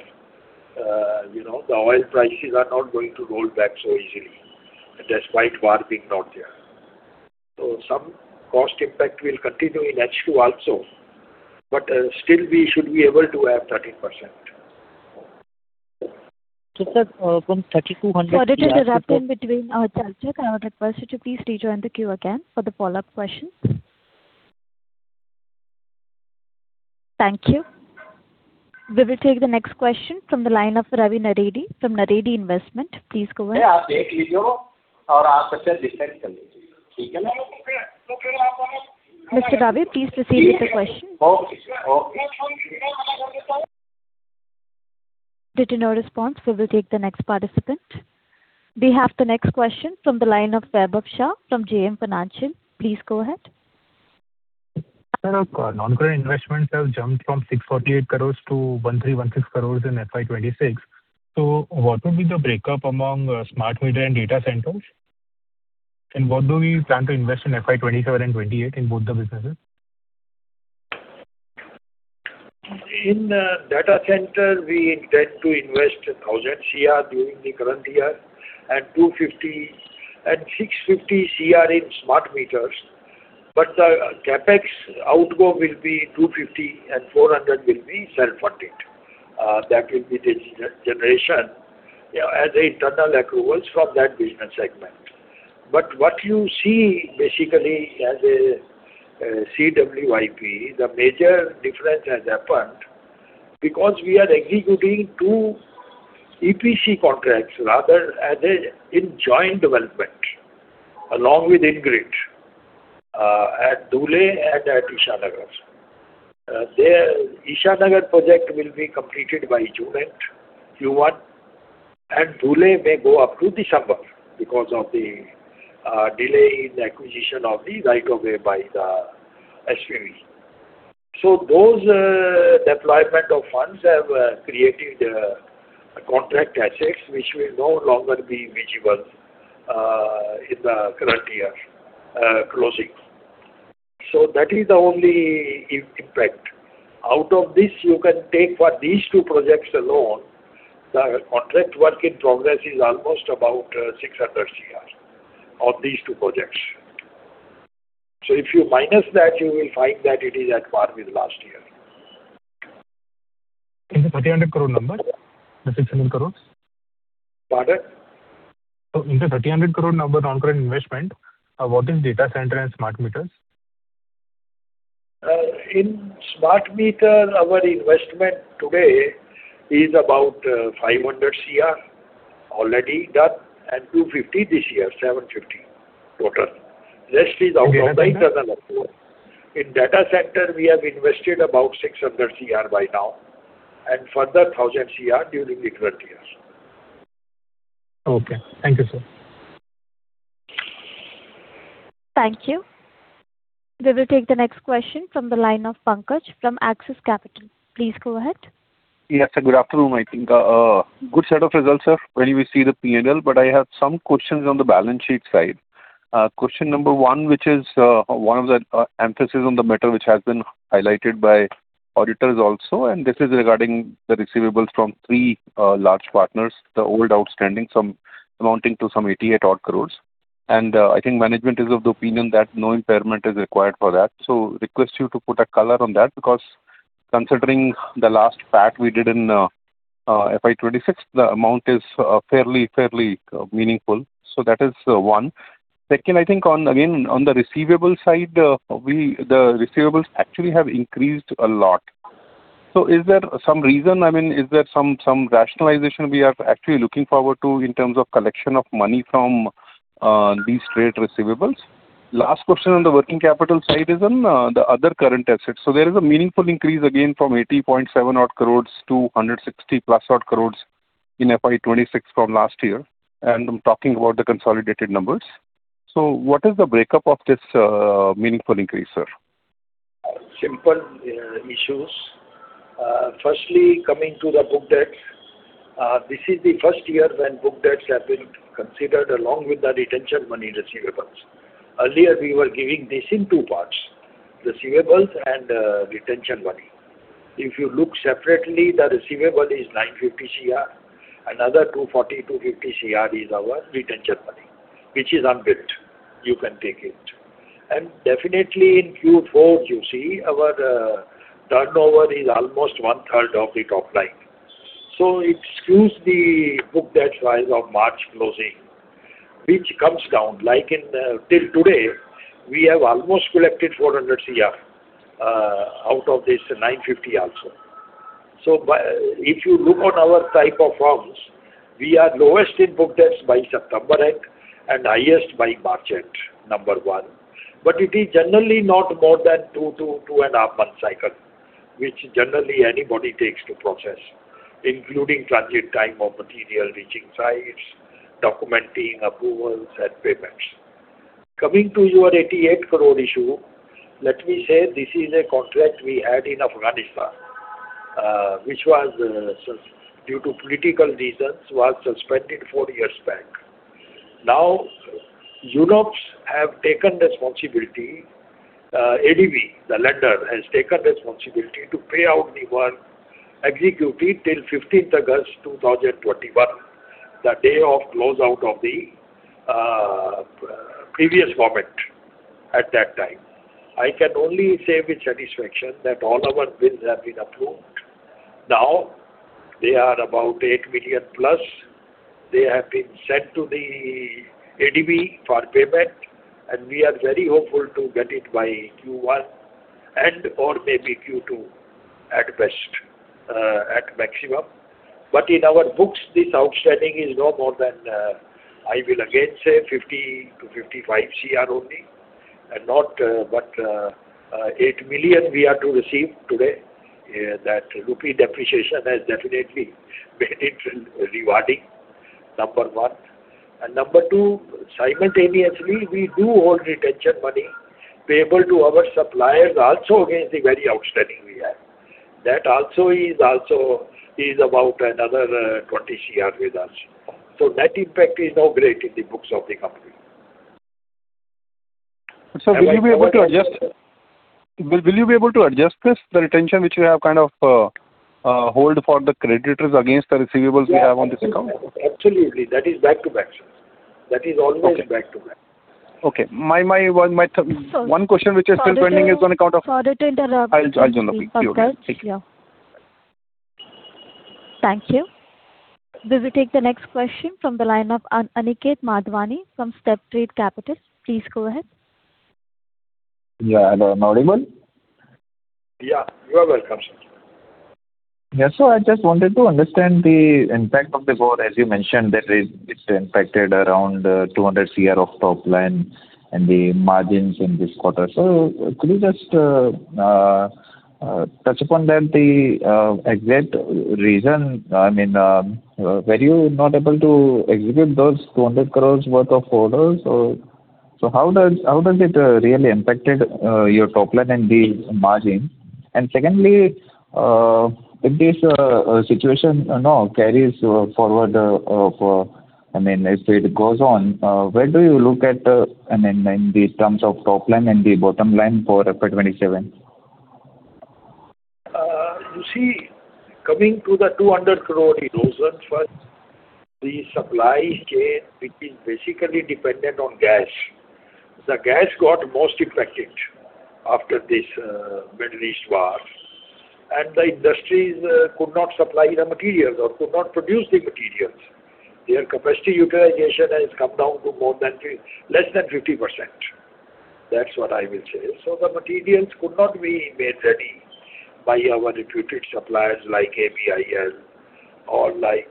[SPEAKER 3] The oil prices are not going to roll back so easily despite war being not there. Some cost impact will continue in H2 also. Still we should be able to have 13%.
[SPEAKER 7] Sir, from INR 3,200 crore-
[SPEAKER 1] Please join the queue again for the follow-up question. Thank you. We will take the next question from the line of Ravi Naredi from Naredi Investment. Please go ahead. Mr. Ravi, please proceed with the question.
[SPEAKER 3] Okay.
[SPEAKER 1] Due to no response, we will take the next participant. We have the next question from the line of Vaibhav Shah from JM Financial. Please go ahead.
[SPEAKER 8] Sir, your non-current investments have jumped from 648 crore to 1,316 crore in FY 2026. What will be the breakup among smart meter and data centers? What do we plan to invest in FY 2027 and 2028 in both the businesses?
[SPEAKER 3] In data center, we intend to invest 1,000 crore during the current year and 650 crore in smart meters. The CapEx outgo will be 250 and 400 will be self-funded. That will be the generation as internal accruals from that business segment. What you see basically as a CWIP, the major difference has happened because we are executing two EPC contracts rather as a joint development along with IndiGrid at Dhule and at Ishanagar. Ishanagar project will be completed by June end, Q1, and Dhule may go up to December because of the delay in the acquisition of the right of way by the SPV. Those deployment of funds have created contract assets which will no longer be visible in the current year closing. That is the only impact. Out of this, you can take for these two projects alone, the contract work in progress is almost about 600 crore of these two projects. If you minus that, you will find that it is at par with last year.
[SPEAKER 8] In the INR 300 crore number, the INR 600 crores.
[SPEAKER 3] Pardon?
[SPEAKER 8] In the INR 300 crore number non-current investment, what is data center and smart meters?
[SPEAKER 3] In smart meter, our investment today is about 500 crore already done and 250 crore this year, 750 crore total. Rest is out of the internal approval. In data center, we have invested about 600 crore by now, and further 1,000 crore during the current year.
[SPEAKER 8] Okay. Thank you, sir.
[SPEAKER 1] Thank you. We will take the next question from the line of Pankaj from Axis Capital. Please go ahead.
[SPEAKER 9] Yes, sir. Good afternoon. I think a good set of results, sir, when we see the P&L. I have some questions on the balance sheet side. Question number one, which is one of the emphasis on the matter which has been highlighted by auditors also, this is regarding the receivables from three large partners, the old outstanding amounting to some 88 crore. I think management is of the opinion that no impairment is required for that. Request you to put a color on that, because considering the last pack we did in FY 2026, the amount is fairly meaningful. That is one. Second, I think again, on the receivables side, the receivables actually have increased a lot. Is there some reason, is there some rationalization we are actually looking forward to in terms of collection of money from these trade receivables? Last question on the working capital side is on the other current assets. There is a meaningful increase again from 80.7 odd crores to 160+ odd crores in FY 2026 from last year, and I'm talking about the consolidated numbers. What is the breakup of this meaningful increase, sir?
[SPEAKER 3] Simple issues. Firstly, coming to the book debts. This is the first year when book debts have been considered along with the retention money receivables. Earlier, we were giving this in two parts, receivables and retention money. If you look separately, the receivable is 950 crore. Another 240 crore-250 crore is our retention money, which is unbilled. You can take it. Definitely in Q4, you see our turnover is almost one-third of the top line. Excuse the book debt rise of March closing, which comes down. Till today, we have almost collected 400 crore out of this 950 also. If you look on our type of firms, we are lowest in book debts by September end and highest by March end, number one. It is generally not more than two to 2.5 month cycle, which generally anybody takes to process, including transit time of material reaching sites, documenting approvals and payments. Coming to your 88 crore issue, let me say this is a contract we had in Afghanistan, which due to political reasons, was suspended four years back. Now, UNOPS have taken responsibility. ADB, the lender, has taken responsibility to pay out the work executed till August 15th 2021, the day of close out of the previous government. At that time, I can only say with satisfaction that all our bills have been approved. Now they are about 8+ million. They have been sent to the ADB for payment, we are very hopeful to get it by Q1 and/or maybe Q2 at best, at maximum. In our books, this outstanding is no more than, I will again say, 50 crore-55 crore only. Not but 8 million we are to receive today. That rupee depreciation has definitely made it rewarding, number one. Number two, simultaneously, we do hold retention money payable to our suppliers also against the very outstanding we have. That also is about another 20 crore with us. That impact is now great in the books of the company.
[SPEAKER 9] Will you be able to adjust this, the retention which you have kind of hold for the creditors against the receivables you have on this account?
[SPEAKER 3] Absolutely. That is back to back. That is always back to back.
[SPEAKER 9] Okay. My one question which is still pending is on account of.
[SPEAKER 1] Sorry to interrupt.
[SPEAKER 9] I'll join the queue.
[SPEAKER 1] Of course. Yeah. Thank you. We will take the next question from the line of Aniket Madhwani from Steptrade Capital. Please go ahead.
[SPEAKER 10] Yeah. Hello, am I audible?
[SPEAKER 3] Yeah. You are welcome, sir.
[SPEAKER 10] Yeah. I just wanted to understand the impact of the war. As you mentioned, that it impacted around 200 crore of top line and the margins in this quarter. Could you just touch upon the exact reason? Were you not able to execute those 200 crores worth of orders? How does it really impacted your top line and the margin? Secondly, if this situation carries forward, if it goes on, where do you look at in the terms of top line and the bottom line for FY 2027?
[SPEAKER 3] You see, coming to the 200 crore erosion first, the supply chain, which is basically dependent on gas. The gas got most affected after this Middle East war. The industries could not supply the materials or could not produce the materials. Their capacity utilization has come down to less than 50%. That's what I will say. The materials could not be made ready by our reputed suppliers like ABB or like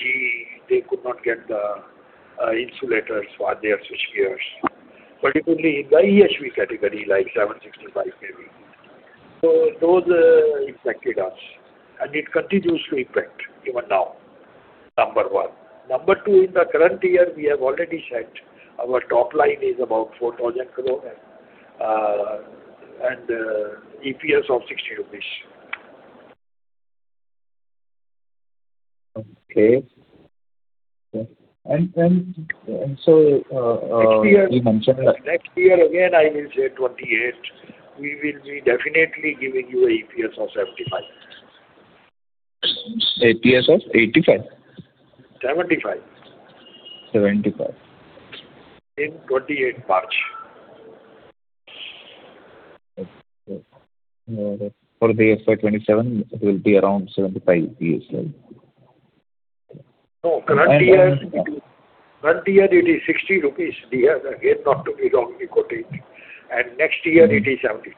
[SPEAKER 3] GE. They could not get the insulators for their switch gears, particularly the ISV category, like 765 maybe. Those affected us, and it continues to affect even now, number one. Number two, in the current year, we have already said our top line is about 4,000 crore and EPS of INR 60.
[SPEAKER 10] Okay. You mentioned-
[SPEAKER 3] Next year, again, I will say 2028, we will be definitely giving you an EPS of 75.
[SPEAKER 10] EPS of 85?
[SPEAKER 3] 75.
[SPEAKER 10] 75.
[SPEAKER 3] In 2028 March.
[SPEAKER 10] For the FY 2027, it will be around 75 EPS, right?
[SPEAKER 3] No, current year it is 60 rupees we have, again, not to be wrongly quoted. Next year it is 70.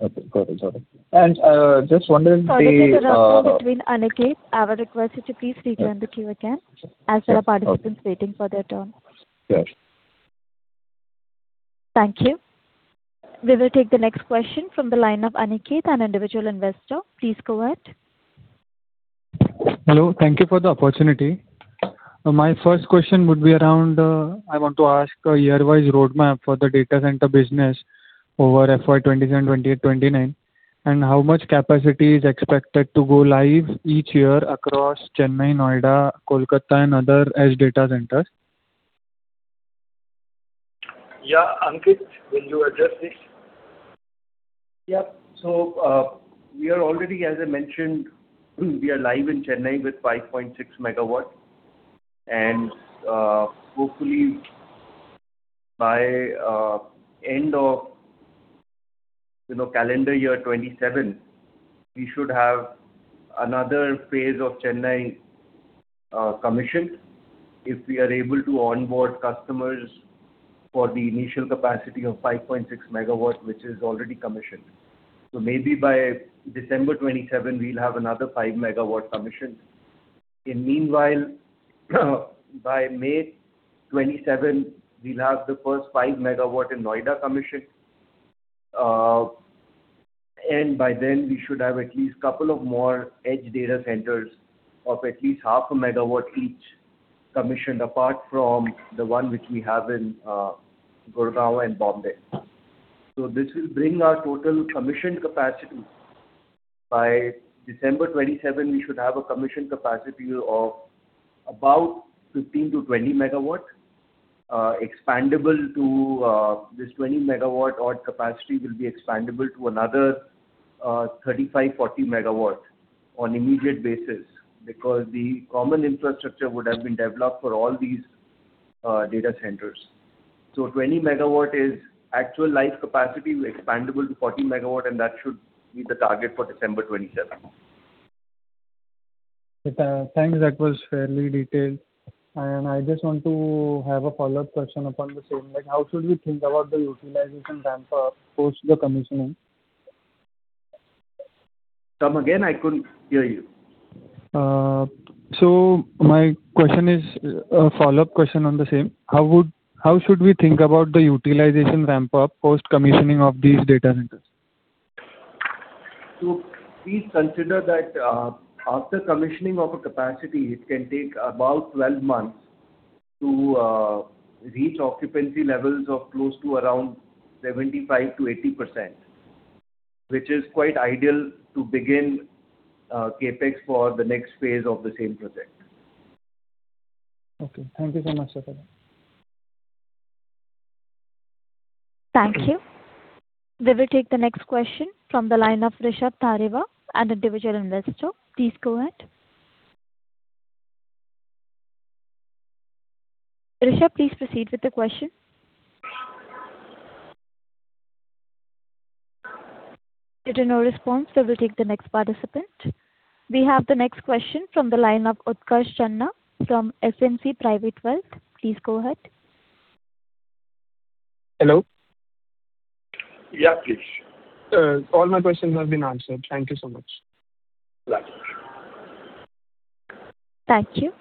[SPEAKER 10] Okay, got it.
[SPEAKER 1] Sorry for the crossover between Aniket. I would request you to please return to queue again, as there are participants waiting for their turn.
[SPEAKER 10] Sure.
[SPEAKER 1] Thank you. We will take the next question from the line of Aniket, an individual investor. Please go ahead.
[SPEAKER 11] Hello. Thank you for the opportunity. My first question would be around, I want to ask a year-wise roadmap for the data center business over FY 2027, FY 2028, FY 2029. How much capacity is expected to go live each year across Chennai, Noida, Kolkata and other edge data centers.
[SPEAKER 3] Yeah. Ankit, will you address this?
[SPEAKER 4] Yeah. We are already, as I mentioned, we are live in Chennai with 5.6 MW. Hopefully by end of calendar year 2027, we should have another phase of Chennai commissioned. If we are able to onboard customers for the initial capacity of 5.6 MW, which is already commissioned. Maybe by December 2027, we'll have another 5 MW commissioned. Meanwhile, by May 2027, we'll have the first 5 MW in Noida commissioned. By then we should have at least couple of more edge data centers of at least 0.5 MW each commissioned apart from the one which we have in Gurgaon and Bombay. This will bring our total commissioned capacity. By December 2027, we should have a commissioned capacity of about 15 MW-20 MW, this 20 MW odd capacity will be expandable to another 35 MW-40 MW on immediate basis because the common infrastructure would have been developed for all these data centers. 20 MW is actual live capacity, expandable to 40 MW and that should be the target for December 2027.
[SPEAKER 11] Thanks. That was fairly detailed and I just want to have a follow-up question upon the same. How should we think about the utilization ramp up post the commissioning?
[SPEAKER 4] Come again, I couldn't hear you.
[SPEAKER 11] My question is a follow-up question on the same. How should we think about the utilization ramp up post commissioning of these data centers?
[SPEAKER 4] Please consider that after commissioning of a capacity, it can take about 12 months to reach occupancy levels of close to around 75%-80%, which is quite ideal to begin CapEx for the next phase of the same project.
[SPEAKER 11] Okay. Thank you so much, sir.
[SPEAKER 1] Thank you. We will take the next question from the line of Rishabh Tareva, an individual investor. Please go ahead. Rishabh, please proceed with the question. Getting no response, we'll take the next participant. We have the next question from the line of Uttkkarsh Chanana from SMC Private Wealth. Please go ahead.
[SPEAKER 12] Hello.
[SPEAKER 4] Yeah, please.
[SPEAKER 12] All my questions have been answered. Thank you so much.
[SPEAKER 4] Right.
[SPEAKER 1] Thank you.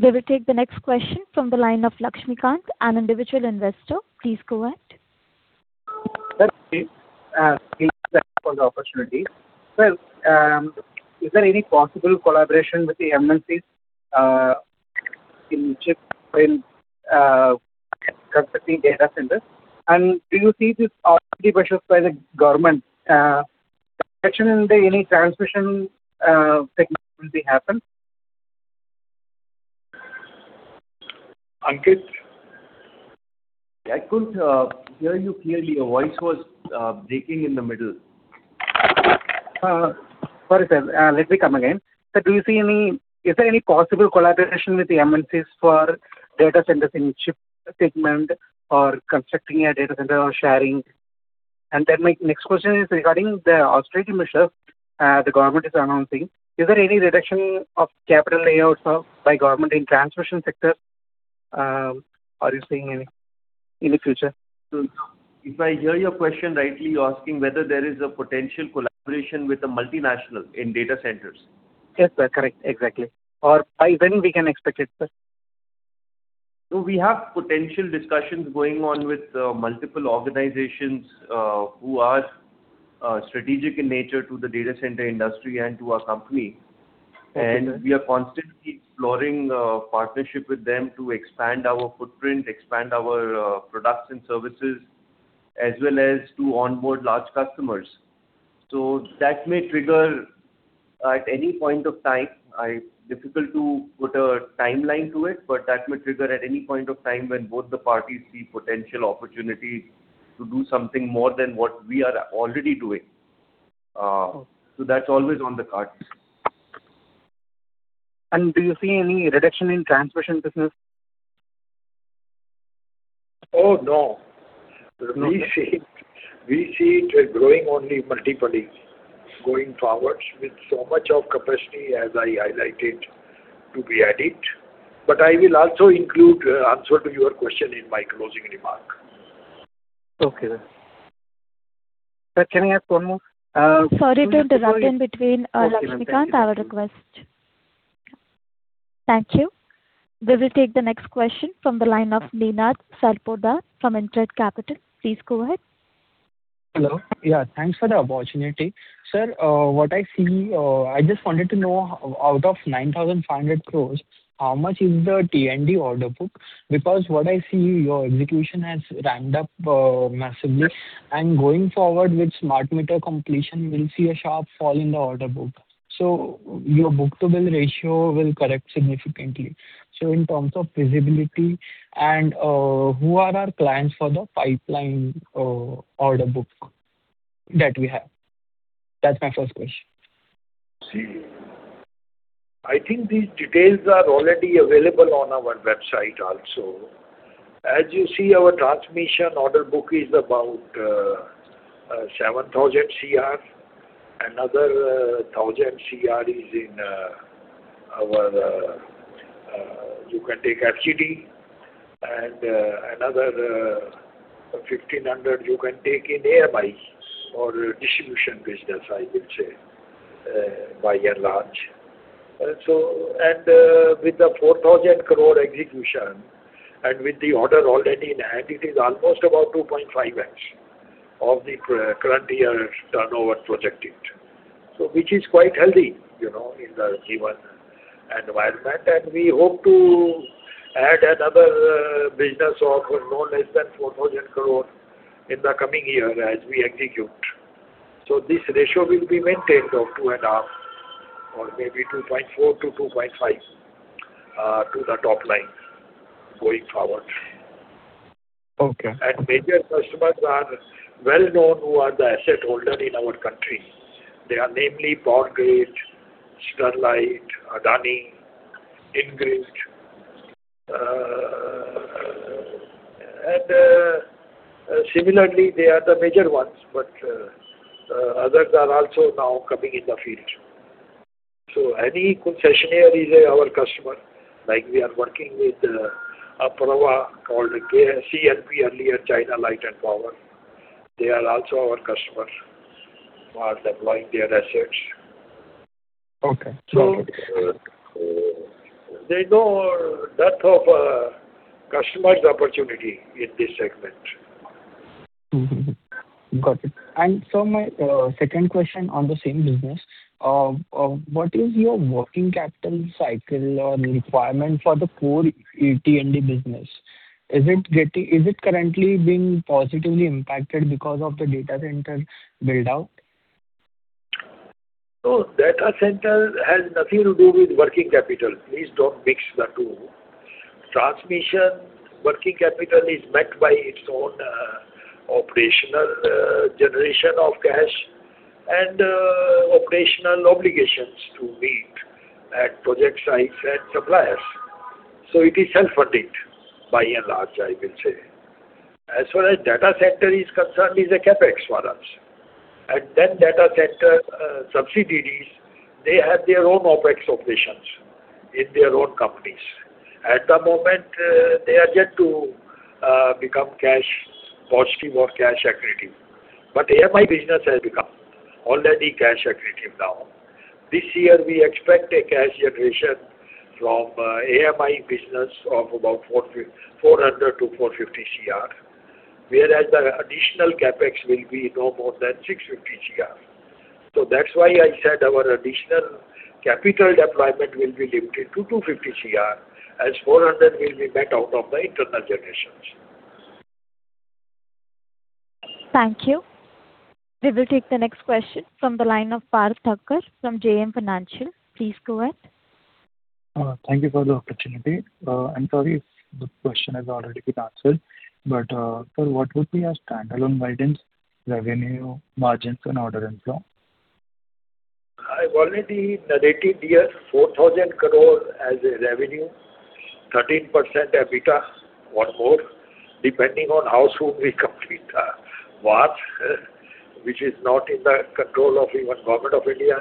[SPEAKER 1] We will take the next question from the line of Laxmikant, an individual investor. Please go ahead.
[SPEAKER 13] Sir, thanks for the opportunity. Sir, is there any possible collaboration with the MNCs in chip data centers? Do you see this by the government any transmission happen?
[SPEAKER 3] Ankit, I couldn't hear you clearly. Your voice was breaking in the middle.
[SPEAKER 13] Sorry, sir. Let me come again. Sir, is there any possible collaboration with the MNCs for data centers in chip segment or constructing a data center or sharing? My next question is regarding the austerity measure the government is announcing. Is there any reduction of capital outlays by government in transmission sector are you seeing in the future?
[SPEAKER 4] If I hear your question rightly, you're asking whether there is a potential collaboration with the multinational in data centers?
[SPEAKER 13] Yes, sir. Correct. Exactly. By when we can expect it, sir?
[SPEAKER 4] We have potential discussions going on with multiple organizations who are strategic in nature to the data center industry and to our company.
[SPEAKER 13] Okay.
[SPEAKER 4] We are constantly exploring partnership with them to expand our footprint, expand our products and services, as well as to onboard large customers. That may trigger at any point of time. Difficult to put a timeline to it, but that may trigger at any point of time when both the parties see potential opportunity to do something more than what we are already doing. That's always on the cards.
[SPEAKER 13] Do you see any reduction in transmission business?
[SPEAKER 3] No. We see it growing only multiply going forwards with so much of capacity as I highlighted to be added. I will also include answer to your question in my closing remark.
[SPEAKER 13] Okay, sir. Sir, can I ask one more?
[SPEAKER 1] Sorry to interrupt in between, Laxmikant. Thank you. We will take the next question from the line of Ninad Sarpotdar from InCred Capital. Please go ahead.
[SPEAKER 14] Hello. Yeah, thanks for the opportunity. Sir, I just wanted to know out of 9,500 crore, how much is the T&D order book? What I see your execution has ramped up massively and going forward with smart meter completion, we'll see a sharp fall in the order book. Your book-to-bill ratio will correct significantly. In terms of visibility and who are our clients for the pipeline order book that we have? That's my first question.
[SPEAKER 4] See, I think these details are already available on our website also. As you see our transmission order book is about 7,000 crore, another 1,000 crore is in our, you can take FGD and another 1,500 you can take in AMI or distribution business I would say by and large. With the 4,000 crore execution and with the order already in hand, it is almost about 2.5x of the current year turnover projected. Which is quite healthy in the given environment. We hope to add another business of no less than 4,000 crore in the coming year as we execute. This ratio will be maintained of 2.5 or maybe 2.4-2.5 to the top line going forward.
[SPEAKER 14] Okay.
[SPEAKER 3] Major customers are well known who are the asset holder in our country. They are namely Power Grid, Sterlite, Adani, IndiGrid. Similarly, they are the major ones, but others are also now coming in the field. Any concessionaire is our customer. Like we are working with a [PRO] called CLP, earlier China Light & Power. They are also our customers who are deploying their assets.
[SPEAKER 14] Okay.
[SPEAKER 3] There is no dearth of customers opportunity in this segment.
[SPEAKER 14] Got it. Sir, my second question on the same business. What is your working capital cycle or requirement for the core T&D business? Is it currently being positively impacted because of the data center build-out?
[SPEAKER 3] Data center has nothing to do with working capital. Please don't mix the two. Transmission working capital is met by its own operational generation of cash and operational obligations to meet at project sites and suppliers. It is self-funded by and large, I will say. As far as data center is concerned, it's a CapEx for us. Data center subsidiaries, they have their own OpEx operations in their own companies. At the moment, they are yet to become cash positive or cash accretive. AMI business has become already cash accretive now. This year, we expect a cash generation from AMI business of about 400 crore-450 crore, whereas the additional CapEx will be no more than 650 crore. That's why I said our additional capital deployment will be limited to 250 crore, as 400 crore will be met out of the internal generations.
[SPEAKER 1] Thank you. We will take the next question from the line of Parth Thakkar from JM Financial. Please go ahead.
[SPEAKER 15] Thank you for the opportunity. I'm sorry if this question has already been answered, sir, what would be our standalone guidance, revenue, margins and order inflow?
[SPEAKER 3] I've already narrated here, 4,000 crore as a revenue, 13% EBITDA or more, depending on how soon we complete the [watch], which is not in the control of even Government of India.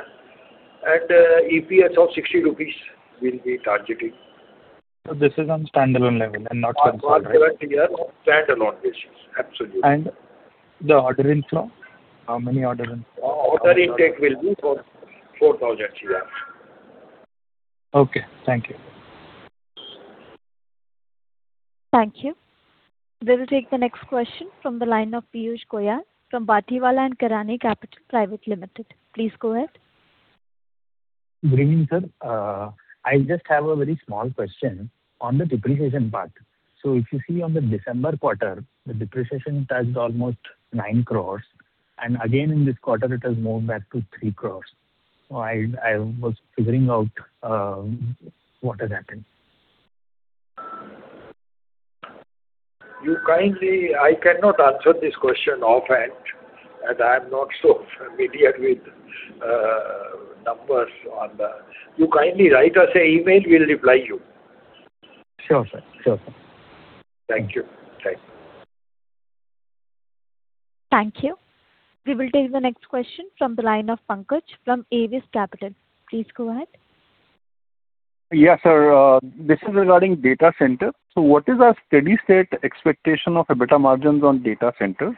[SPEAKER 3] EPS of 60 rupees we'll be targeting.
[SPEAKER 15] This is on standalone level.
[SPEAKER 3] standalone basis. Absolutely.
[SPEAKER 15] The order inflow, how many order inflow?
[SPEAKER 3] Order intake will be 4,000 crore.
[SPEAKER 15] Okay. Thank you.
[SPEAKER 1] Thank you. We will take the next question from the line of Piyush Goyal from Batlivala & Karani Capital Private Limited. Please go ahead.
[SPEAKER 16] Good evening, sir. I just have a very small question on the depreciation part. If you see on the December quarter, the depreciation touched almost 9 crore, and again, in this quarter it has moved back to 3 crore. I was figuring out what has happened.
[SPEAKER 3] I cannot answer this question of head as I'm not sure if we are doing numbers on us. You kindly write us an email, we'll reply you.
[SPEAKER 16] Sure, sir.
[SPEAKER 3] Thank you.
[SPEAKER 1] Thank you. We will take the next question from the line of Pankaj from Avendus Capital. Please go ahead.
[SPEAKER 17] Yes, sir. This is regarding data center. What is our steady state expectation of EBITDA margins on data center?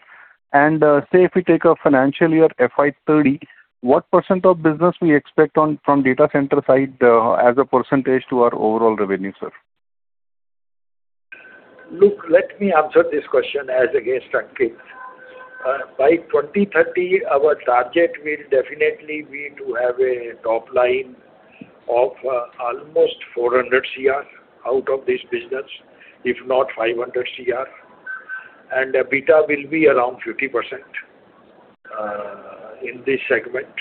[SPEAKER 17] Say, if we take a financial year FY 2030, what percent of business we expect from data center side as a percentage to our overall revenue, sir?
[SPEAKER 3] Look, let me answer this question as against Ankit. By 2030, our target will definitely be to have a top line of almost 400 crore out of this business, if not 500 crore. EBITDA will be around 50% in this segment,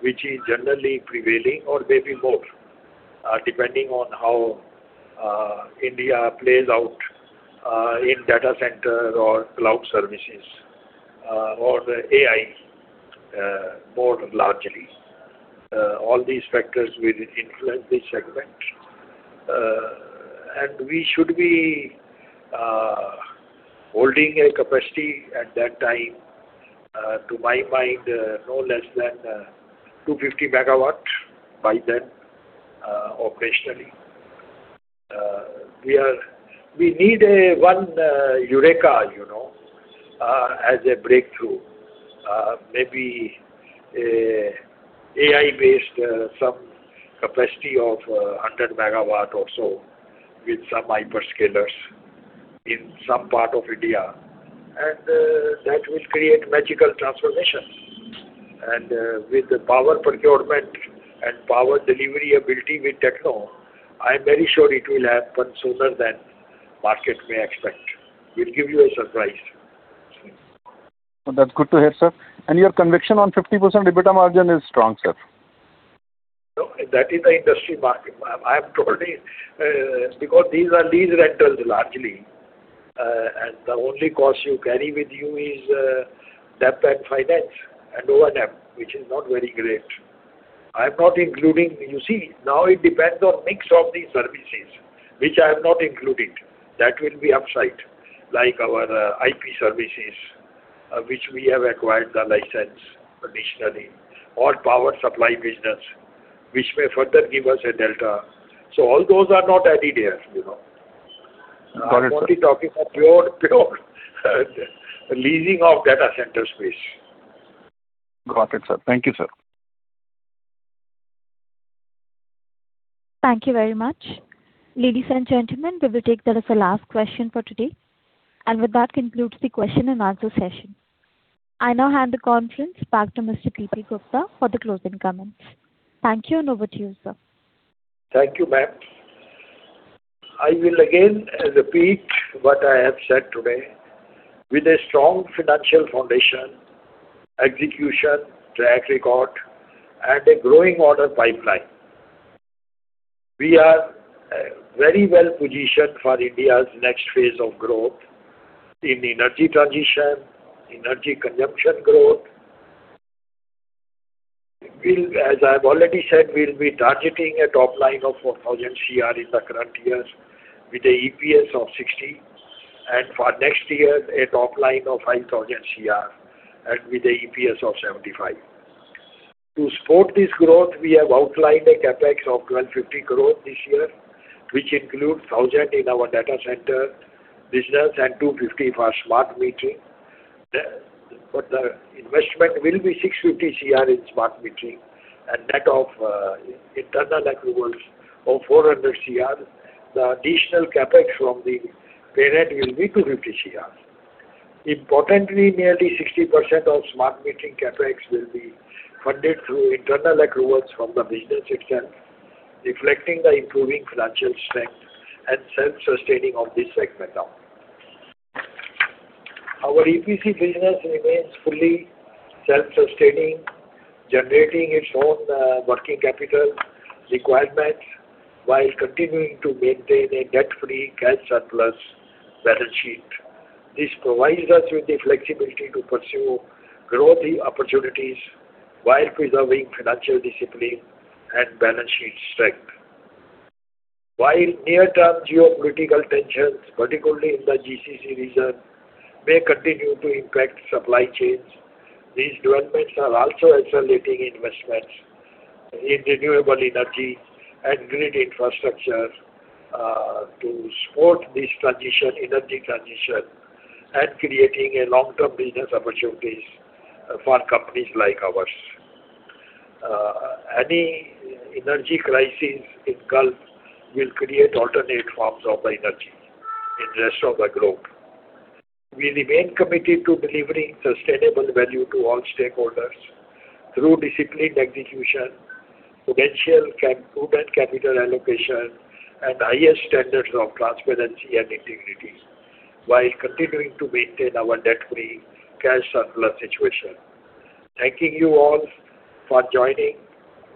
[SPEAKER 3] which is generally prevailing or maybe more, depending on how India plays out in data center or cloud services, or the AI more largely. All these factors will influence this segment. We should be holding a capacity at that time, to my mind, no less than 250 MW by then, operationally. We need one eureka as a breakthrough. Maybe AI based, some capacity of 100 MW or so with some hyperscalers in some part of India, and that will create magical transformation. With the power procurement and power delivery ability with Techno, I'm very sure it will happen sooner than market may expect. We'll give you a surprise.
[SPEAKER 17] That's good to hear, sir. Your conviction on 50% EBITDA margin is strong, sir?
[SPEAKER 3] That is the industry market. I have told you, because these are lease rentals largely, and the only cost you carry with you is debt and finance and overhead, which is not very great. You see, now it depends on mix of these services, which I have not included. That will be upside. Like our IP services, which we have acquired the license additionally, or power supply business, which may further give us a delta. All those are not added yet. I'm only talking of pure leasing of data center space.
[SPEAKER 17] Got it, sir. Thank you, sir.
[SPEAKER 1] Thank you very much. Ladies and gentlemen, we will take that as the last question for today, and with that concludes the question-and-answer session. I now hand the conference back to Mr. P. P. Gupta for the closing comments. Thank you, and over to you, sir.
[SPEAKER 3] Thank you, ma'am. I will again repeat what I have said today. With a strong financial foundation, execution, track record, and a growing order pipeline, we are very well-positioned for India's next phase of growth in energy transition, energy consumption growth. As I've already said, we'll be targeting a top line of 4,000 crore in the current years with an EPS of 60. For next year, a top line of 5,000 crore and with an EPS of 75. To support this growth, we have outlined a CapEx of 150 crore this year, which includes 1,000 in our data center business and 250 for smart metering. The investment will be 650 crore in smart metering and that of internal accruals of 400 crore. The additional CapEx from the parent will be 250 crore. Importantly, nearly 60% of smart metering CapEx will be funded through internal accruals from the business itself, reflecting the improving financial strength and self-sustaining of this segment now. Our EPC business remains fully self-sustaining, generating its own working capital requirements while continuing to maintain a debt-free cash surplus balance sheet. This provides us with the flexibility to pursue growth opportunities while preserving financial discipline and balance sheet strength. While near-term geopolitical tensions, particularly in the GCC region, may continue to impact supply chains, these developments are also accelerating investments in renewable energy and grid infrastructure to support this energy transition and creating long-term business opportunities for companies like ours. Any energy crisis in Gulf will create alternate forms of energy in rest of the globe. We remain committed to delivering sustainable value to all stakeholders through disciplined execution, prudential capital allocation, and highest standards of transparency and integrity while continuing to maintain our debt-free cash surplus situation. Thanking you all for joining,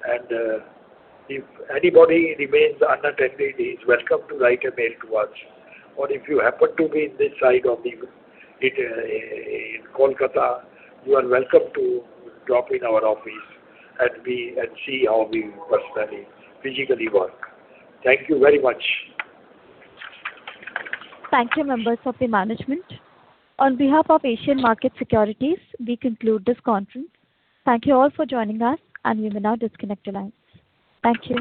[SPEAKER 3] and if anybody remains unattended, is welcome to write an email to us. If you happen to be in this side of Kolkata, you are welcome to drop in our office and see how we personally, physically work. Thank you very much.
[SPEAKER 1] Thank you, members of the management. On behalf of Asian Market Securities, we conclude this conference. Thank you all for joining us, and you may now disconnect your lines. Thank you.